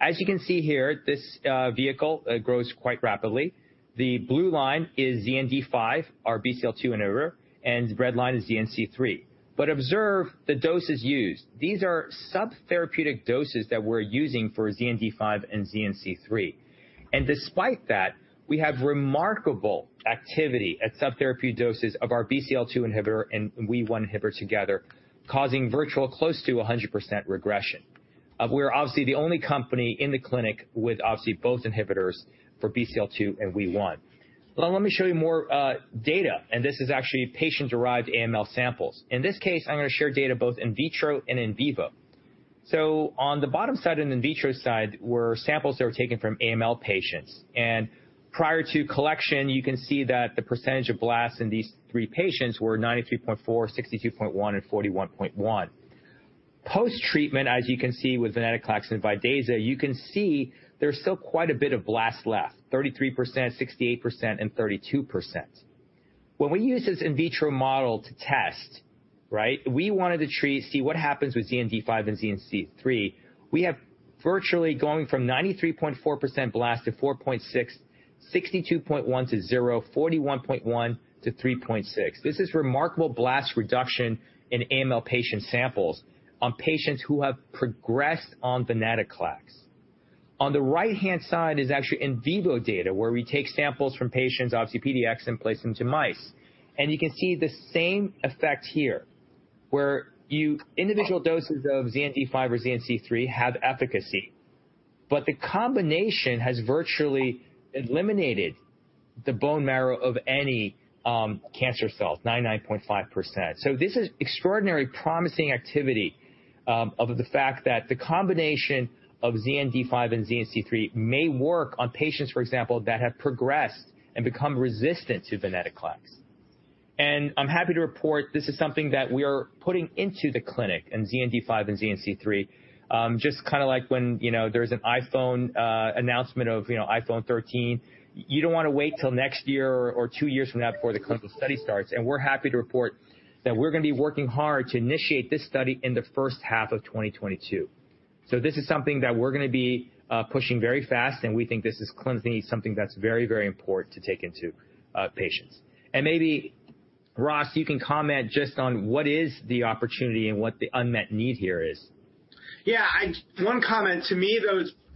As you can see here, this vehicle, it grows quite rapidly. The blue line is ZN-d5, our BCL-2 inhibitor, and the red line is ZN-c3. Observe the doses used. These are subtherapeutic doses that we're using for ZN-d5 and ZN-c3. Despite that, we have remarkable activity at subtherapeutic doses of our BCL-2 inhibitor and WEE1 inhibitor together, causing virtually close to 100% regression. We're obviously the only company in the clinic with both inhibitors for BCL-2 and WEE1. Now let me show you more data, and this is actually patient-derived AML samples. In this case, I'm gonna share data both in vitro and in vivo. On the bottom side, in the in vitro side, were samples that were taken from AML patients. Prior to collection, you can see that the percentage of blasts in these three patients were 93.4, 62.1 and 41.1. Post-treatment, as you can see with venetoclax and Vidaza, you can see there's still quite a bit of blast left, 33%, 68%, and 32%. When we use this in vitro model to test, right, we wanted to see what happens with ZN-d5 and ZN-c3. We have virtually going from 93.4% blast to 4.6, 62.1 to 0, 41.1 to 3.6. This is remarkable blast reduction in AML patient samples on patients who have progressed on venetoclax. On the right-hand side is actually in vivo data, where we take samples from patients, obviously PDX, and place them into mice. You can see the same effect here, where individual doses of ZN-d5 or ZN-c3 have efficacy. The combination has virtually eliminated the bone marrow of any cancer cells, 99.5%. This is extraordinarily promising activity of the fact that the combination of ZN-d5 and ZN-c3 may work on patients, for example, that have progressed and become resistant to venetoclax. I'm happy to report this is something that we are putting into the clinic of ZN-d5 and ZN-c3, just kinda like when, you know, there's an iPhone announcement of, you know, iPhone 13. You don't wanna wait till next year or two years from now before the clinical study starts. We're happy to report that we're gonna be working hard to initiate this study in the H1 of 2022. This is something that we're gonna be pushing very fast, and we think this is clinically something that's very, very important to take into patients. Maybe, Ross, you can comment just on what is the opportunity and what the unmet need here is. Yeah. One comment. To me,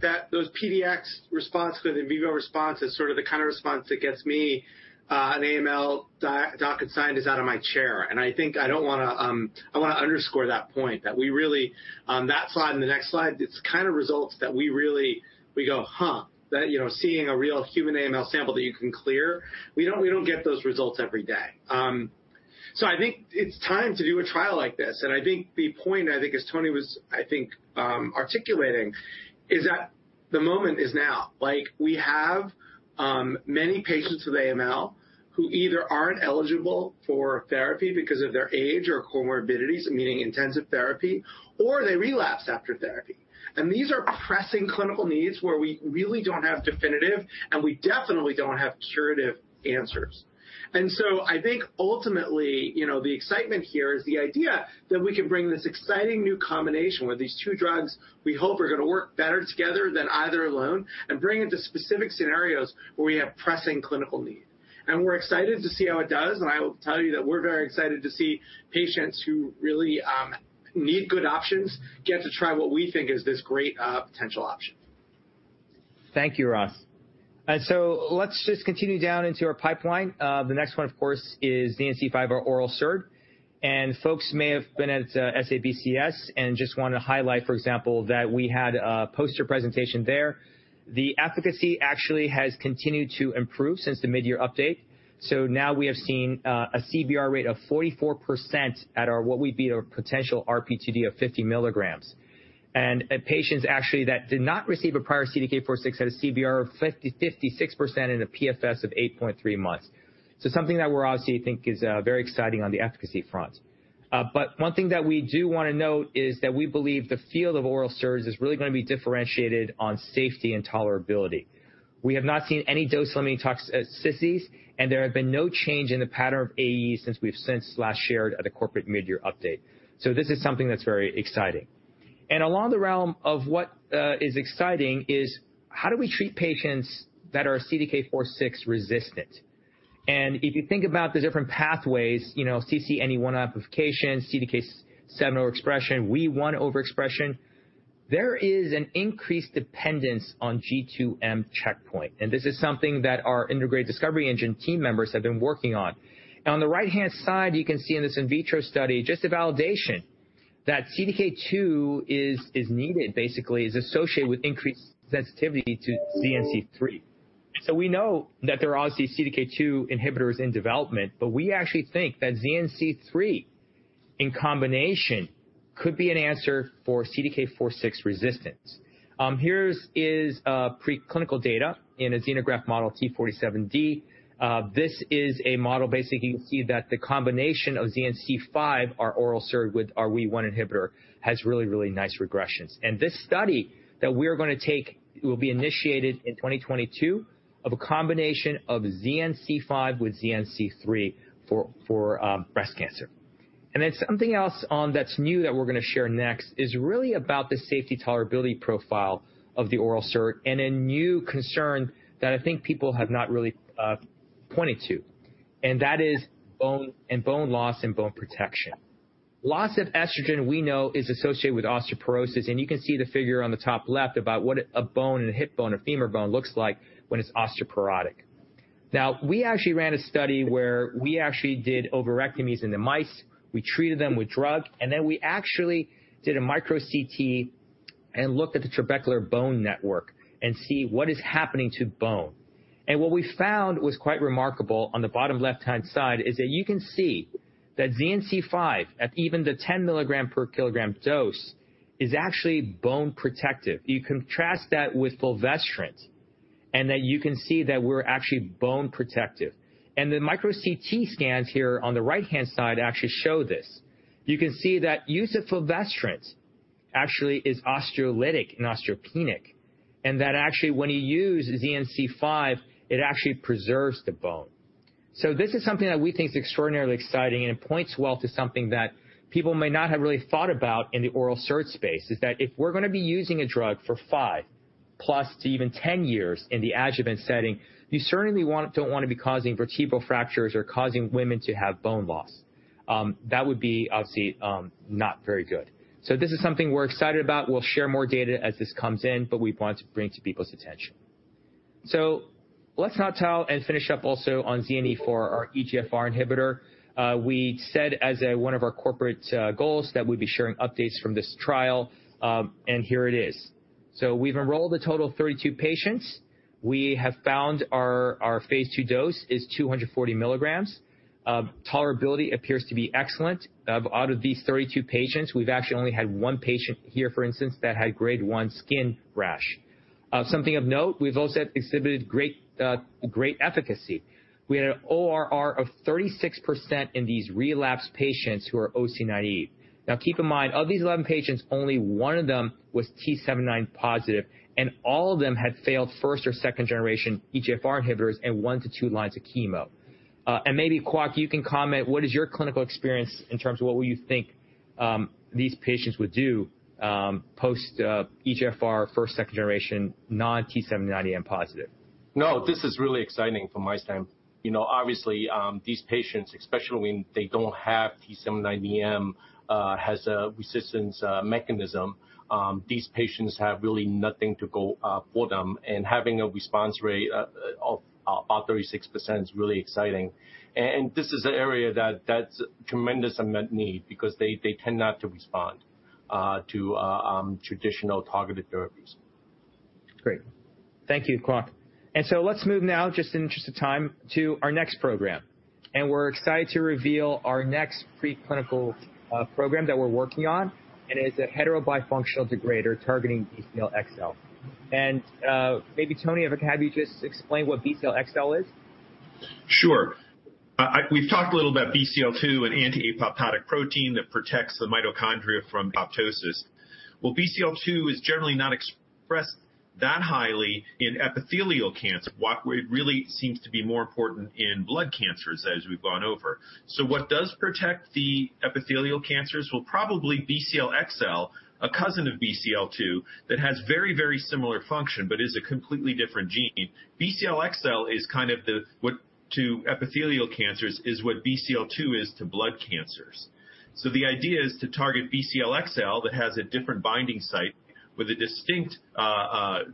that PDX response or the in vivo response is sort of the kind of response that gets me, an AML doc and scientist out of my chair. I wanna underscore that point, that we really, that slide and the next slide, it's kind of results that we really go, "Huh." That, you know, seeing a real human AML sample that you can clear, we don't get those results every day. I think it's time to do a trial like this. I think the point, as Tony was articulating, is that the moment is now. Like, we have many patients with AML who either aren't eligible for therapy because of their age or comorbidities, meaning intensive therapy, or they relapse after therapy. These are pressing clinical needs where we really don't have definitive, and we definitely don't have curative answers. I think ultimately, you know, the excitement here is the idea that we can bring this exciting new combination with these two drugs we hope are gonna work better together than either alone, and bring it to specific scenarios where we have pressing clinical need. We're excited to see how it does, and I will tell you that we're very excited to see patients who really, need good options get to try what we think is this great, potential option. Thank you, Ross. Let's just continue down into our pipeline. The next one, of course, is ZN-c5 or oral SERD. Folks may have been at SABCS and just wanna highlight, for example, that we had a poster presentation there. The efficacy actually has continued to improve since the mid-year update. Now we have seen a CBR rate of 44% at our what we view a potential RPTD of 50 milligrams. Patients actually that did not receive a prior CDK4/6 had a CBR of 56% in a PFS of 8.3 months. Something that we obviously think is very exciting on the efficacy front. One thing that we do wanna note is that we believe the field of oral SERDs is really gonna be differentiated on safety and tolerability. We have not seen any dose-limiting toxicities, and there have been no change in the pattern of AEs since we've last shared at the corporate mid-year update. This is something that's very exciting. Along the realm of what is exciting is how do we treat patients that are CDK4/6 resistant? If you think about the different pathways, you know, CCNE1 amplification, CDK7 overexpression, WEE1 overexpression, there is an increased dependence on G2M checkpoint, and this is something that our integrated discovery engine team members have been working on. On the right-hand side, you can see in this in vitro study just a validation that CDK2 is needed, basically, is associated with increased sensitivity to ZN-c3. We know that there are obviously CDK2 inhibitors in development, but we actually think that ZN-c3 in combination could be an answer for CDK4/6 resistance. Here is preclinical data in a xenograft model T47D. This is a model, basically, you can see that the combination of ZN-c5, our oral SERD, with our WEE1 inhibitor has really, really nice regressions. This study that we're gonna take will be initiated in 2022 of a combination of ZN-c5 with ZN-c3 for breast cancer. Something else that's new that we're gonna share next is really about the safety tolerability profile of the oral SERD and a new concern that I think people have not really pointed to, and that is bone loss and bone protection. Loss of estrogen, we know, is associated with osteoporosis, and you can see the figure on the top left about what a bone and a hip bone or femur bone looks like when it's osteoporotic. Now, we actually ran a study where we actually did ovariectomies in the mice, we treated them with drug, and then we actually did a micro-CT and look at the trabecular bone network and see what is happening to bone. What we found was quite remarkable on the bottom left-hand side, is that you can see that ZN-c5 at even the 10 mg/kg dose is actually bone protective. You contrast that with fulvestrant, and that you can see that we're actually bone protective. The micro-CT scans here on the right-hand side actually show this. You can see that use of fulvestrant actually is osteolytic and osteopenic, and that actually, when you use ZN-c5, it actually preserves the bone. This is something that we think is extraordinarily exciting, and it points well to something that people may not have really thought about in the oral SERD space, is that if we're gonna be using a drug for 5+ to even 10 years in the adjuvant setting, you certainly don't wanna be causing vertebral fractures or causing women to have bone loss. That would be, obviously, not very good. This is something we're excited about. We'll share more data as this comes in, but we want to bring it to people's attention. Let's now talk and finish up also on ZN-e4, our EGFR inhibitor. We said, as one of our corporate goals, that we'd be sharing updates from this trial, and here it is. We've enrolled a total of 32 patients. We have found our phase II dose is 240 mg. Tolerability appears to be excellent. Out of these 32 patients, we've actually only had one patient here, for instance, that had grade one skin rash. Something of note, we've also exhibited great efficacy. We had an ORR of 36% in these relapsed patients who are IO naive. Now, keep in mind, of these 11 patients, only one of them was T790M positive, and all of them had failed first or second generation EGFR inhibitors and one to two lines of chemo. Maybe, Kwok, you can comment, what is your clinical experience in terms of what would you think, these patients would do, post EGFR first, second generation, non-T790M positive? No, this is really exciting for my time. You know, obviously, these patients, especially when they don't have T790M, has a resistance mechanism. These patients have really nothing to go for them. Having a response rate of about 36% is really exciting. This is an area that's tremendous unmet need because they tend not to respond to traditional targeted therapies. Great. Thank you, Kwok. Let's move now, just in the interest of time, to our next program. We're excited to reveal our next preclinical program that we're working on, and it's a heterobifunctional degrader targeting BCL-xL. Maybe Tony, if I could have you just explain what BCL-xL is. We've talked a little about BCL-2 and anti-apoptotic protein that protects the mitochondria from apoptosis. Well, BCL-2 is generally not expressed that highly in epithelial cancer. Kwok, where it really seems to be more important in blood cancers as we've gone over. What does protect the epithelial cancers? Well, probably BCL-xL, a cousin of BCL-2 that has very, very similar function but is a completely different gene. BCL-xL is kind of what to epithelial cancers is what BCL-2 is to blood cancers. The idea is to target BCL-xL that has a different binding site with a distinct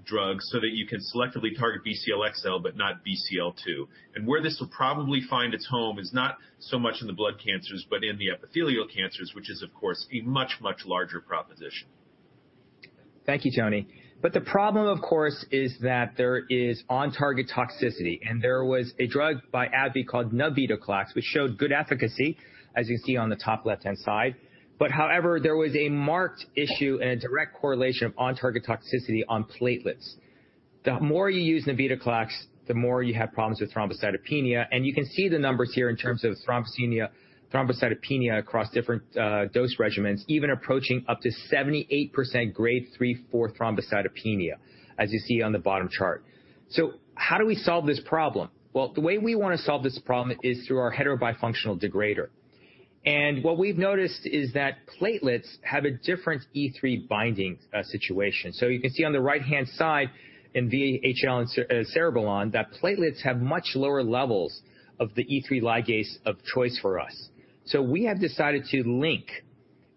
drug so that you can selectively target BCL-xL but not BCL-2. Where this will probably find its home is not so much in the blood cancers, but in the epithelial cancers, which is, of course, a much, much larger proposition. Thank you, Tony. The problem, of course, is that there is on-target toxicity, and there was a drug by AbbVie called navitoclax which showed good efficacy, as you can see on the top left-hand side. However, there was a marked issue and a direct correlation of on-target toxicity on platelets. The more you use navitoclax, the more you have problems with thrombocytopenia. You can see the numbers here in terms of thrombocytopenia across different dose regimens, even approaching up to 78% grade three-four thrombocytopenia, as you see on the bottom chart. How do we solve this problem? Well, the way we wanna solve this problem is through our heterobifunctional degrader. What we've noticed is that platelets have a different E3 binding situation. You can see on the right-hand side in VHL and cereblon, that platelets have much lower levels of the E3 ligase of choice for us. We have decided to link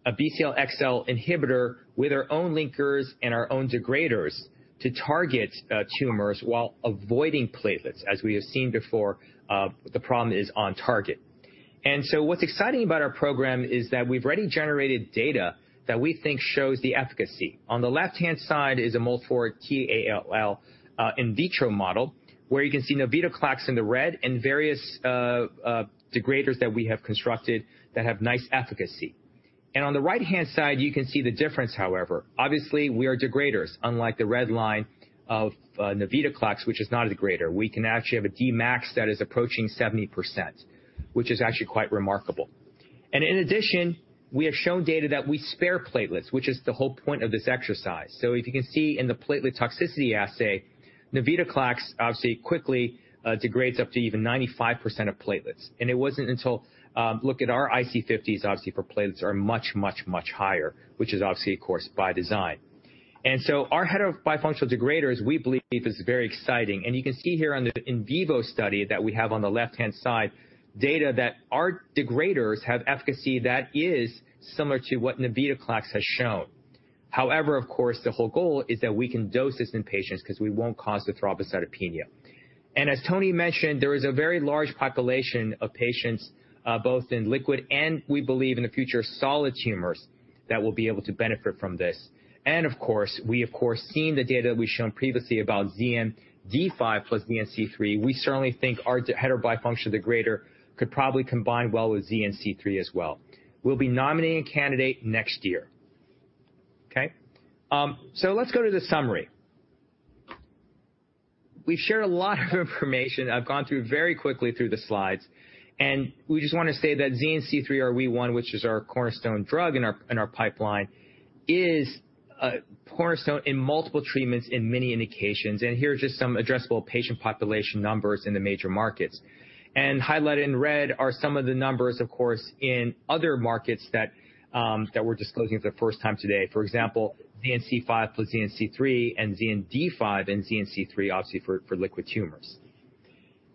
a BCL-xL inhibitor with our own linkers and our own degraders to target tumors while avoiding platelets. As we have seen before, the problem is on target. What's exciting about our program is that we've already generated data that we think shows the efficacy. On the left-hand side is a multiform T-ALL in vitro model, where you can see navitoclax in red and various degraders that we have constructed that have nice efficacy. On the right-hand side, you can see the difference, however. Obviously, we are degraders, unlike the red line of navitoclax, which is not a degrader. We can actually have a Dmax that is approaching 70%, which is actually quite remarkable. In addition, we have shown data that we spare platelets, which is the whole point of this exercise. If you can see in the platelet toxicity assay, navitoclax obviously quickly degrades up to even 95% of platelets. Look at our IC50s, obviously, for platelets are much higher, which is obviously, of course, by design. Our heterobifunctional degraders, we believe, is very exciting. You can see here on the in vivo study that we have on the left-hand side data that our degraders have efficacy that is similar to what navitoclax has shown. However, of course, the whole goal is that we can dose this in patients because we won't cause the thrombocytopenia. As Tony mentioned, there is a very large population of patients, both in liquid and we believe in the future, solid tumors, that will be able to benefit from this. Of course, we've seen the data that we've shown previously about ZN-d5 plus ZN-c3, we certainly think our heterobifunctional degrader could probably combine well with ZN-c3 as well. We'll be nominating a candidate next year. Let's go to the summary. We've shared a lot of information I've gone through very quickly through the slides, and we just wanna say that ZN-c3, our WEE1, which is our cornerstone drug in our pipeline, is a cornerstone in multiple treatments in many indications. Here are just some addressable patient population numbers in the major markets. Highlighted in red are some of the numbers, of course, in other markets that we're disclosing for the first time today, for example, ZN-c5 plus ZN-c3 and ZN-d5 and ZN-c3, obviously for liquid tumors.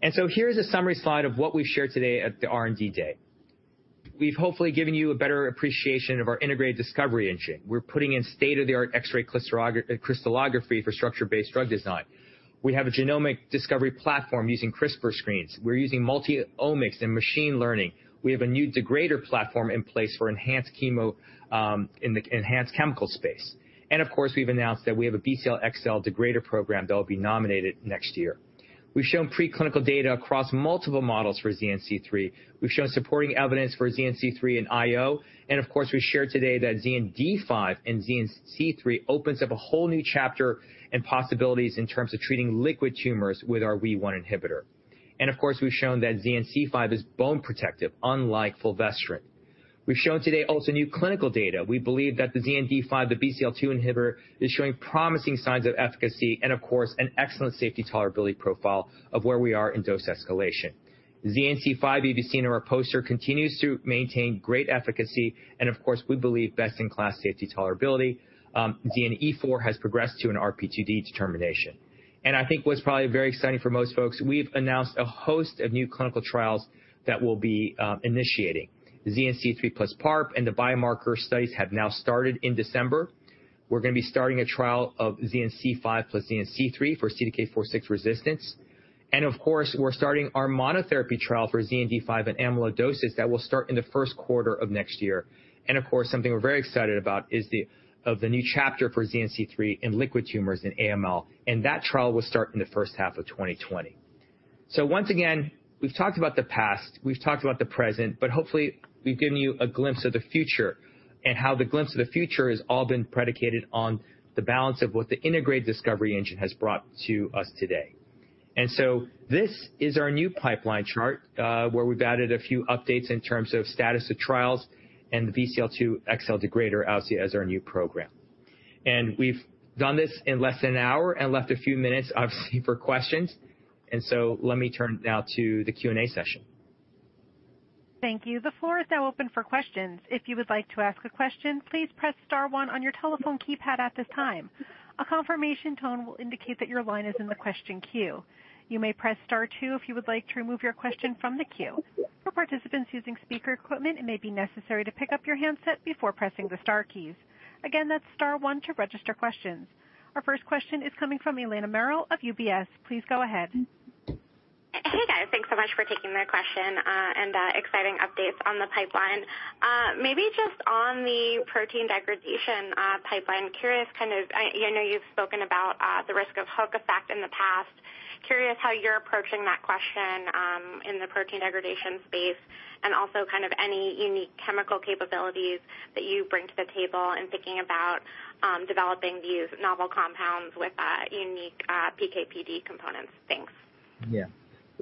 Here's a summary slide of what we've shared today at the R&D Day. We've hopefully given you a better appreciation of our integrated discovery engine. We're putting in state-of-the-art X-ray crystallography for structure-based drug design. We have a genomic discovery platform using CRISPR screens. We're using multi-omics and machine learning. We have a new degrader platform in place for enhanced chemical space. Of course, we've announced that we have a BCL-xL degrader program that will be nominated next year. We've shown preclinical data across multiple models for ZN-c3. We've shown supporting evidence for ZN-c3 in IO, and of course, we shared today that ZN-d5 and ZN-c3 opens up a whole new chapter and possibilities in terms of treating liquid tumors with our WEE1 inhibitor. We've shown that ZN-c5 is bone protective, unlike fulvestrant. We've shown today also new clinical data. We believe that the ZN-d5, the BCL-2 inhibitor, is showing promising signs of efficacy and of course, an excellent safety tolerability profile of where we are in dose escalation. ZN-c5, if you've seen in our poster, continues to maintain great efficacy and of course, we believe best in class safety tolerability. ZN-e4 has progressed to an RP2D determination. I think what's probably very exciting for most folks, we've announced a host of new clinical trials that we'll be initiating. ZN-c3 plus PARP and the biomarker studies have now started in December. We're gonna be starting a trial of ZN-c5 plus ZN-c3 for CDK4/6 resistance. Of course, we're starting our monotherapy trial for ZN-d5 and amyloidosis that will start in the Q1 of next year. Of course, something we're very excited about is the new chapter for ZN-c3 in liquid tumors in AML, and that trial will start in the H1 of 2020. Once again, we've talked about the past, we've talked about the present, but hopefully we've given you a glimpse of the future and how the glimpse of the future has all been predicated on the balance of what the integrated discovery engine has brought to us today. This is our new pipeline chart, where we've added a few updates in terms of status of trials and the BCL-2/xL degrader obviously as our new program. We've done this in less than an hour and left a few minutes, obviously for questions. Let me turn now to the Q&A session. Thank you. The floor is now open for questions. If you would like to ask a question, please press star one on your telephone keypad at this time. A confirmation tone will indicate that your line is in the question queue. You may press star two if you would like to remove your question from the queue. For participants using speaker equipment, it may be necessary to pick up your handset before pressing the star keys. Again, that's star one to register questions. Our first question is coming from Eliana Merle of UBS. Please go ahead. Hey, guys. Thanks so much for taking the question and the exciting updates on the pipeline. Maybe just on the protein degradation pipeline. Curious, kind of, you know, you've spoken about the risk of hook effect in the past. Curious how you're approaching that question in the protein degradation space and also kind of any unique chemical capabilities that you bring to the table in thinking about developing these novel compounds with a unique PKPD components. Thanks. Yeah.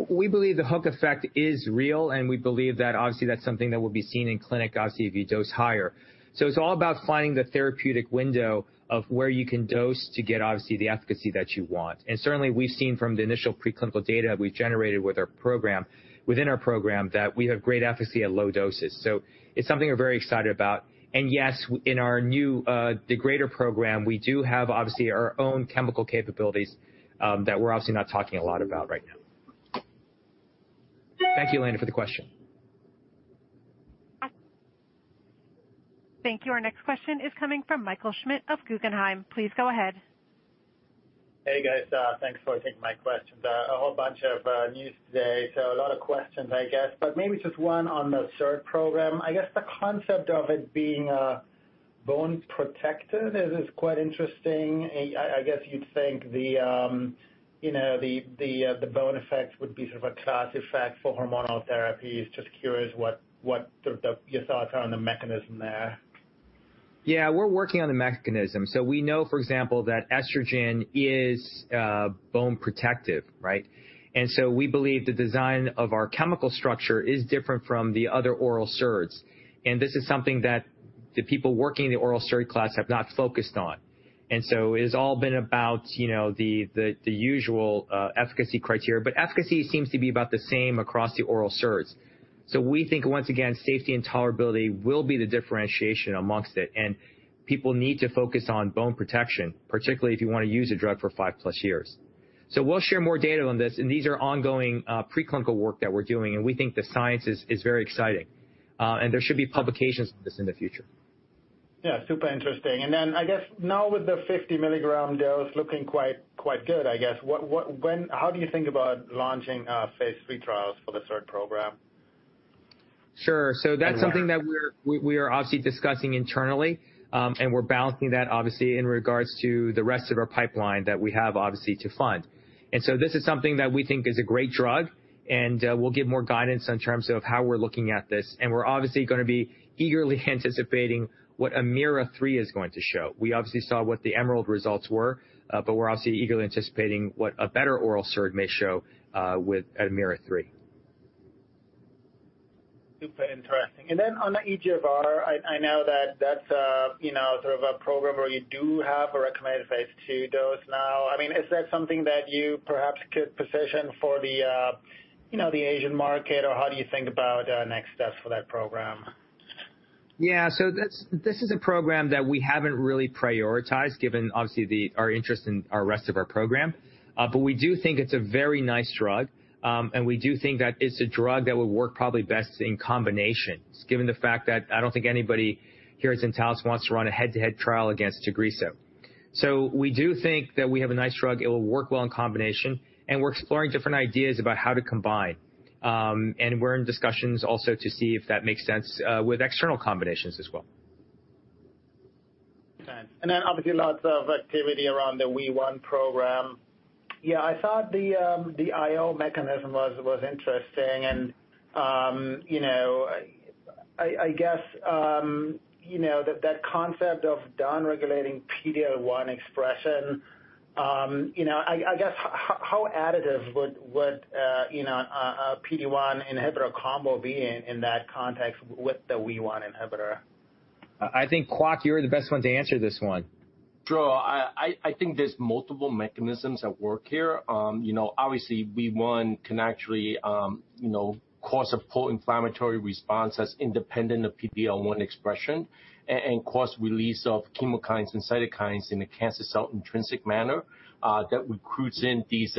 We believe the hook effect is real, and we believe that obviously that's something that will be seen in clinic, obviously if you dose higher. It's all about finding the therapeutic window of where you can dose to get obviously the efficacy that you want. Certainly we've seen from the initial preclinical data we've generated with our program within our program, that we have great efficacy at low doses. It's something we're very excited about. Yes, in our new degrader program, we do have obviously our own chemical capabilities that we're obviously not talking a lot about right now. Thank you, Eliana, for the question. Thank you. Our next question is coming from Michael Schmidt of Guggenheim. Please go ahead. Hey, guys. Thanks for taking my questions. A whole bunch of news today, so a lot of questions, I guess, but maybe just one on the SERD program. I guess the concept of it being bone protected is quite interesting. I guess you'd think the you know the bone effects would be sort of a class effect for hormonal therapies. Just curious what your thoughts are on the mechanism there. Yeah, we're working on the mechanism. We know, for example, that estrogen is bone protective, right? We believe the design of our chemical structure is different from the other oral SERDs. This is something that the people working in the oral SERD class have not focused on. It has all been about, you know, the usual efficacy criteria, but efficacy seems to be about the same across the oral SERDs. We think, once again, safety and tolerability will be the differentiation amongst it, and people need to focus on bone protection, particularly if you wanna use a drug for five+ years. We'll share more data on this, and these are ongoing preclinical work that we're doing, and we think the science is very exciting. There should be publications for this in the future. Yeah, super interesting. I guess now with the 50-milligram dose looking quite good, I guess, how do you think about launching phase III trials for the SERD program? Sure. when? That's something that we are obviously discussing internally, and we're balancing that obviously in regards to the rest of our pipeline that we have obviously to fund. This is something that we think is a great drug, and we'll give more guidance in terms of how we're looking at this. We're obviously gonna be eagerly anticipating what AMEERA-3 is going to show. We obviously saw what the EMERALD results were, but we're obviously eagerly anticipating what a better oral SERD may show with AMEERA-3. Super interesting. On the EGFR, I know that that's sort of a program where you do have a recommended phase II dose now. I mean, is that something that you perhaps could position for the Asian market, or how do you think about next steps for that program? Yeah. This is a program that we haven't really prioritized given obviously our interest in the rest of our program. But we do think it's a very nice drug, and we do think that it's a drug that would work probably best in combinations, given the fact that I don't think anybody here at Zentalis wants to run a head-to-head trial against Tagrisso. We do think that we have a nice drug. It will work well in combination, and we're exploring different ideas about how to combine. And we're in discussions also to see if that makes sense with external combinations as well. Okay. Obviously lots of activity around the WEE1 program. Yeah, I thought the IO mechanism was interesting and, you know, I guess, you know, that concept of downregulating PD-L1 expression, you know, I guess how additive would, you know, a PD-1 inhibitor combo be in that context with the WEE1 inhibitor? I think, Kwok, you're the best one to answer this one. Sure. I think there's multiple mechanisms at work here. You know, obviously WEE1 can actually, you know, cause a pro-inflammatory response that's independent of PD-L1 expression and cause release of chemokines and cytokines in a cancer cell-intrinsic manner, that recruits these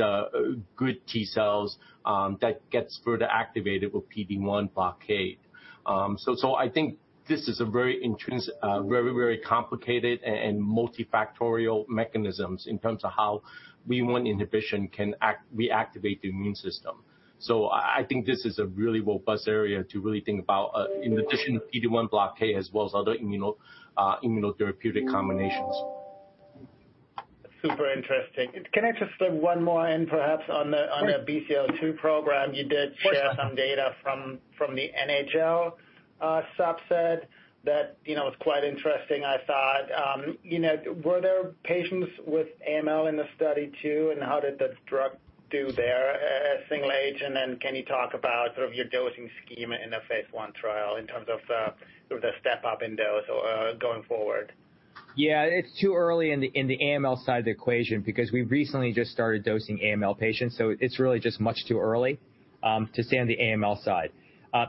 good T cells, that gets further activated with PD-1 blockade. I think this is a very intrinsic, very complicated and multifactorial mechanisms in terms of how WEE1 inhibition can reactivate the immune system. I think this is a really robust area to really think about, in addition to PD-1 blockade as well as other immunotherapeutic combinations. Super interesting. Can I just throw one more in perhaps on the- Sure. On the BCL-2 program, you did. Of course. Share some data from the NHL subset that you know was quite interesting I thought. You know, were there patients with AML in the study too, and how did the drug do there as single agent? Can you talk about sort of your dosing scheme in the phase I trial in terms of the step up in dose going forward? Yeah. It's too early in the AML side of the equation because we recently just started dosing AML patients, so it's really just much too early to say on the AML side.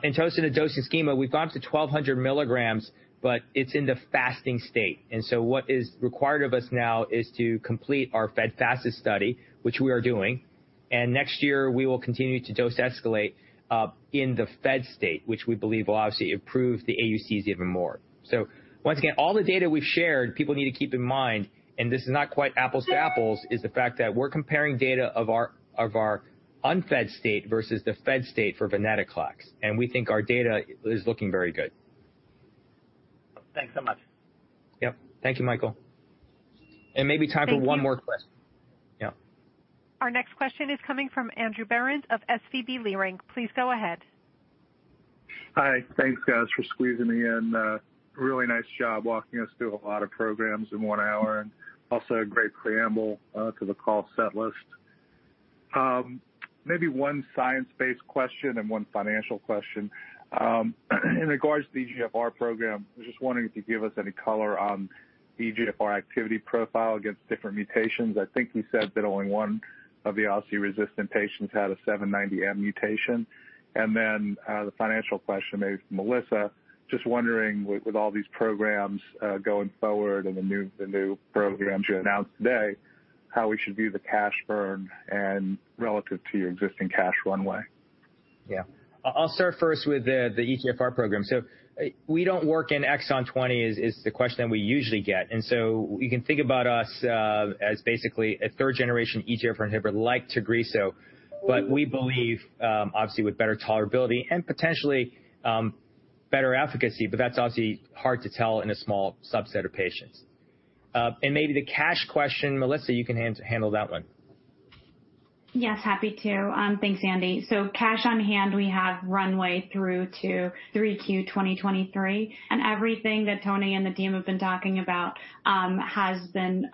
In terms of the dosing schema, we've gone up to 1200 mg, but it's in the fasting state. What is required of us now is to complete our fed-fasted study, which we are doing. Next year we will continue to dose escalate in the fed state, which we believe will obviously improve the AUCs even more. Once again, all the data we've shared, people need to keep in mind, and this is not quite apples to apples, is the fact that we're comparing data of our fasted state versus the fed state for venetoclax, and we think our data is looking very good. Thanks so much. Yep. Thank you, Michael. Maybe time for one more question. Thank you. Yeah. Our next question is coming from Andrew Berens of SVB Leerink. Please go ahead. Hi. Thanks, guys, for squeezing me in. Really nice job walking us through a lot of programs in one hour, and also a great preamble to the call set list. Maybe one science-based question and one financial question. In regards to the EGFR program, I was just wondering if you could give us any color on EGFR activity profile against different mutations. I think you said that only one of the obviously resistant patients had a T790M mutation. Then, the financial question, maybe for Melissa, just wondering with all these programs going forward and the new programs you announced today, how we should view the cash burn and relative to your existing cash runway. Yeah. I'll start first with the EGFR program. Do we work in exon 20 is the question we usually get. You can think about us as basically a third generation EGFR inhibitor like Tagrisso, but we believe obviously with better tolerability and potentially better efficacy, but that's obviously hard to tell in a small subset of patients. Maybe the cash question, Melissa, you can handle that one. Yes, happy to. Thanks, Andrew. Cash on hand we have runway through to Q3 2023, and everything that Tony and the team have been talking about has been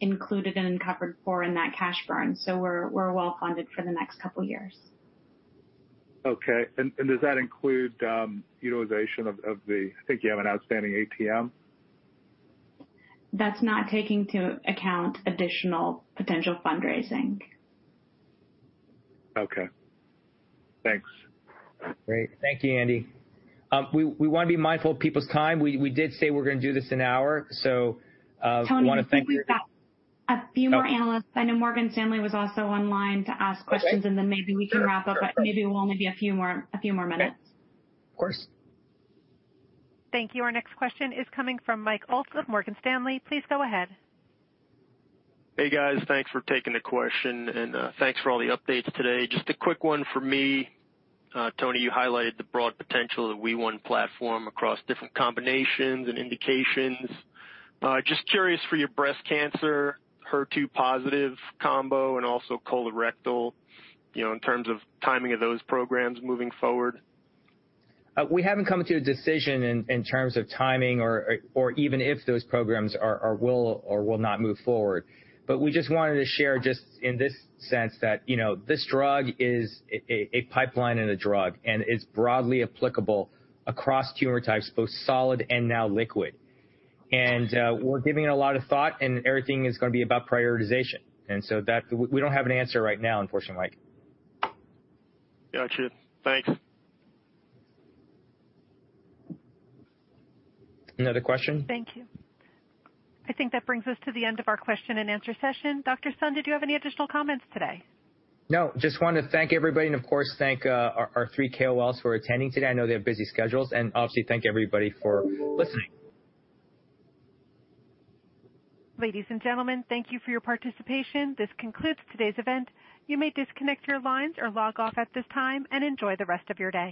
included and covered for in that cash burn. We're well-funded for the next couple years. Okay. Does that include utilization of the ATM? I think you have an outstanding ATM? That's not taking into account additional potential fundraising. Okay. Thanks. Great. Thank you, Andy. We wanna be mindful of people's time. We did say we're gonna do this an hour, so Tony- Wanna thank. We've got a few more analysts. Okay. I know Morgan Stanley was also online to ask questions. Okay. Maybe we can wrap up. Sure. Sure. Maybe we'll a few more minutes. Okay. Of course. Thank you. Our next question is coming from Mike of Morgan Stanley. Please go ahead. Hey, guys. Thanks for taking the question. Thanks for all the updates today. Just a quick one for me. Tony, you highlighted the broad potential of the WEE1 platform across different combinations and indications. Just curious for your breast cancer, HER2 positive combo and also colorectal, you know, in terms of timing of those programs moving forward. We haven't come to a decision in terms of timing or even if those programs will or will not move forward. We just wanted to share just in this sense that, you know, this drug is a pipeline and a drug, and it's broadly applicable across tumor types, both solid and now liquid. We're giving it a lot of thought and everything is gonna be about prioritization so that we don't have an answer right now, unfortunately, Mike. Gotcha. Thanks. Another question? Thank you. I think that brings us to the end of our question and answer session. Dr. Sun, did you have any additional comments today? No. Just want to thank everybody and of course thank our three KOLs for attending today. I know they have busy schedules and obviously thank everybody for listening. Ladies and gentlemen, thank you for your participation. This concludes today's event. You may disconnect your lines or log off at this time and enjoy the rest of your day.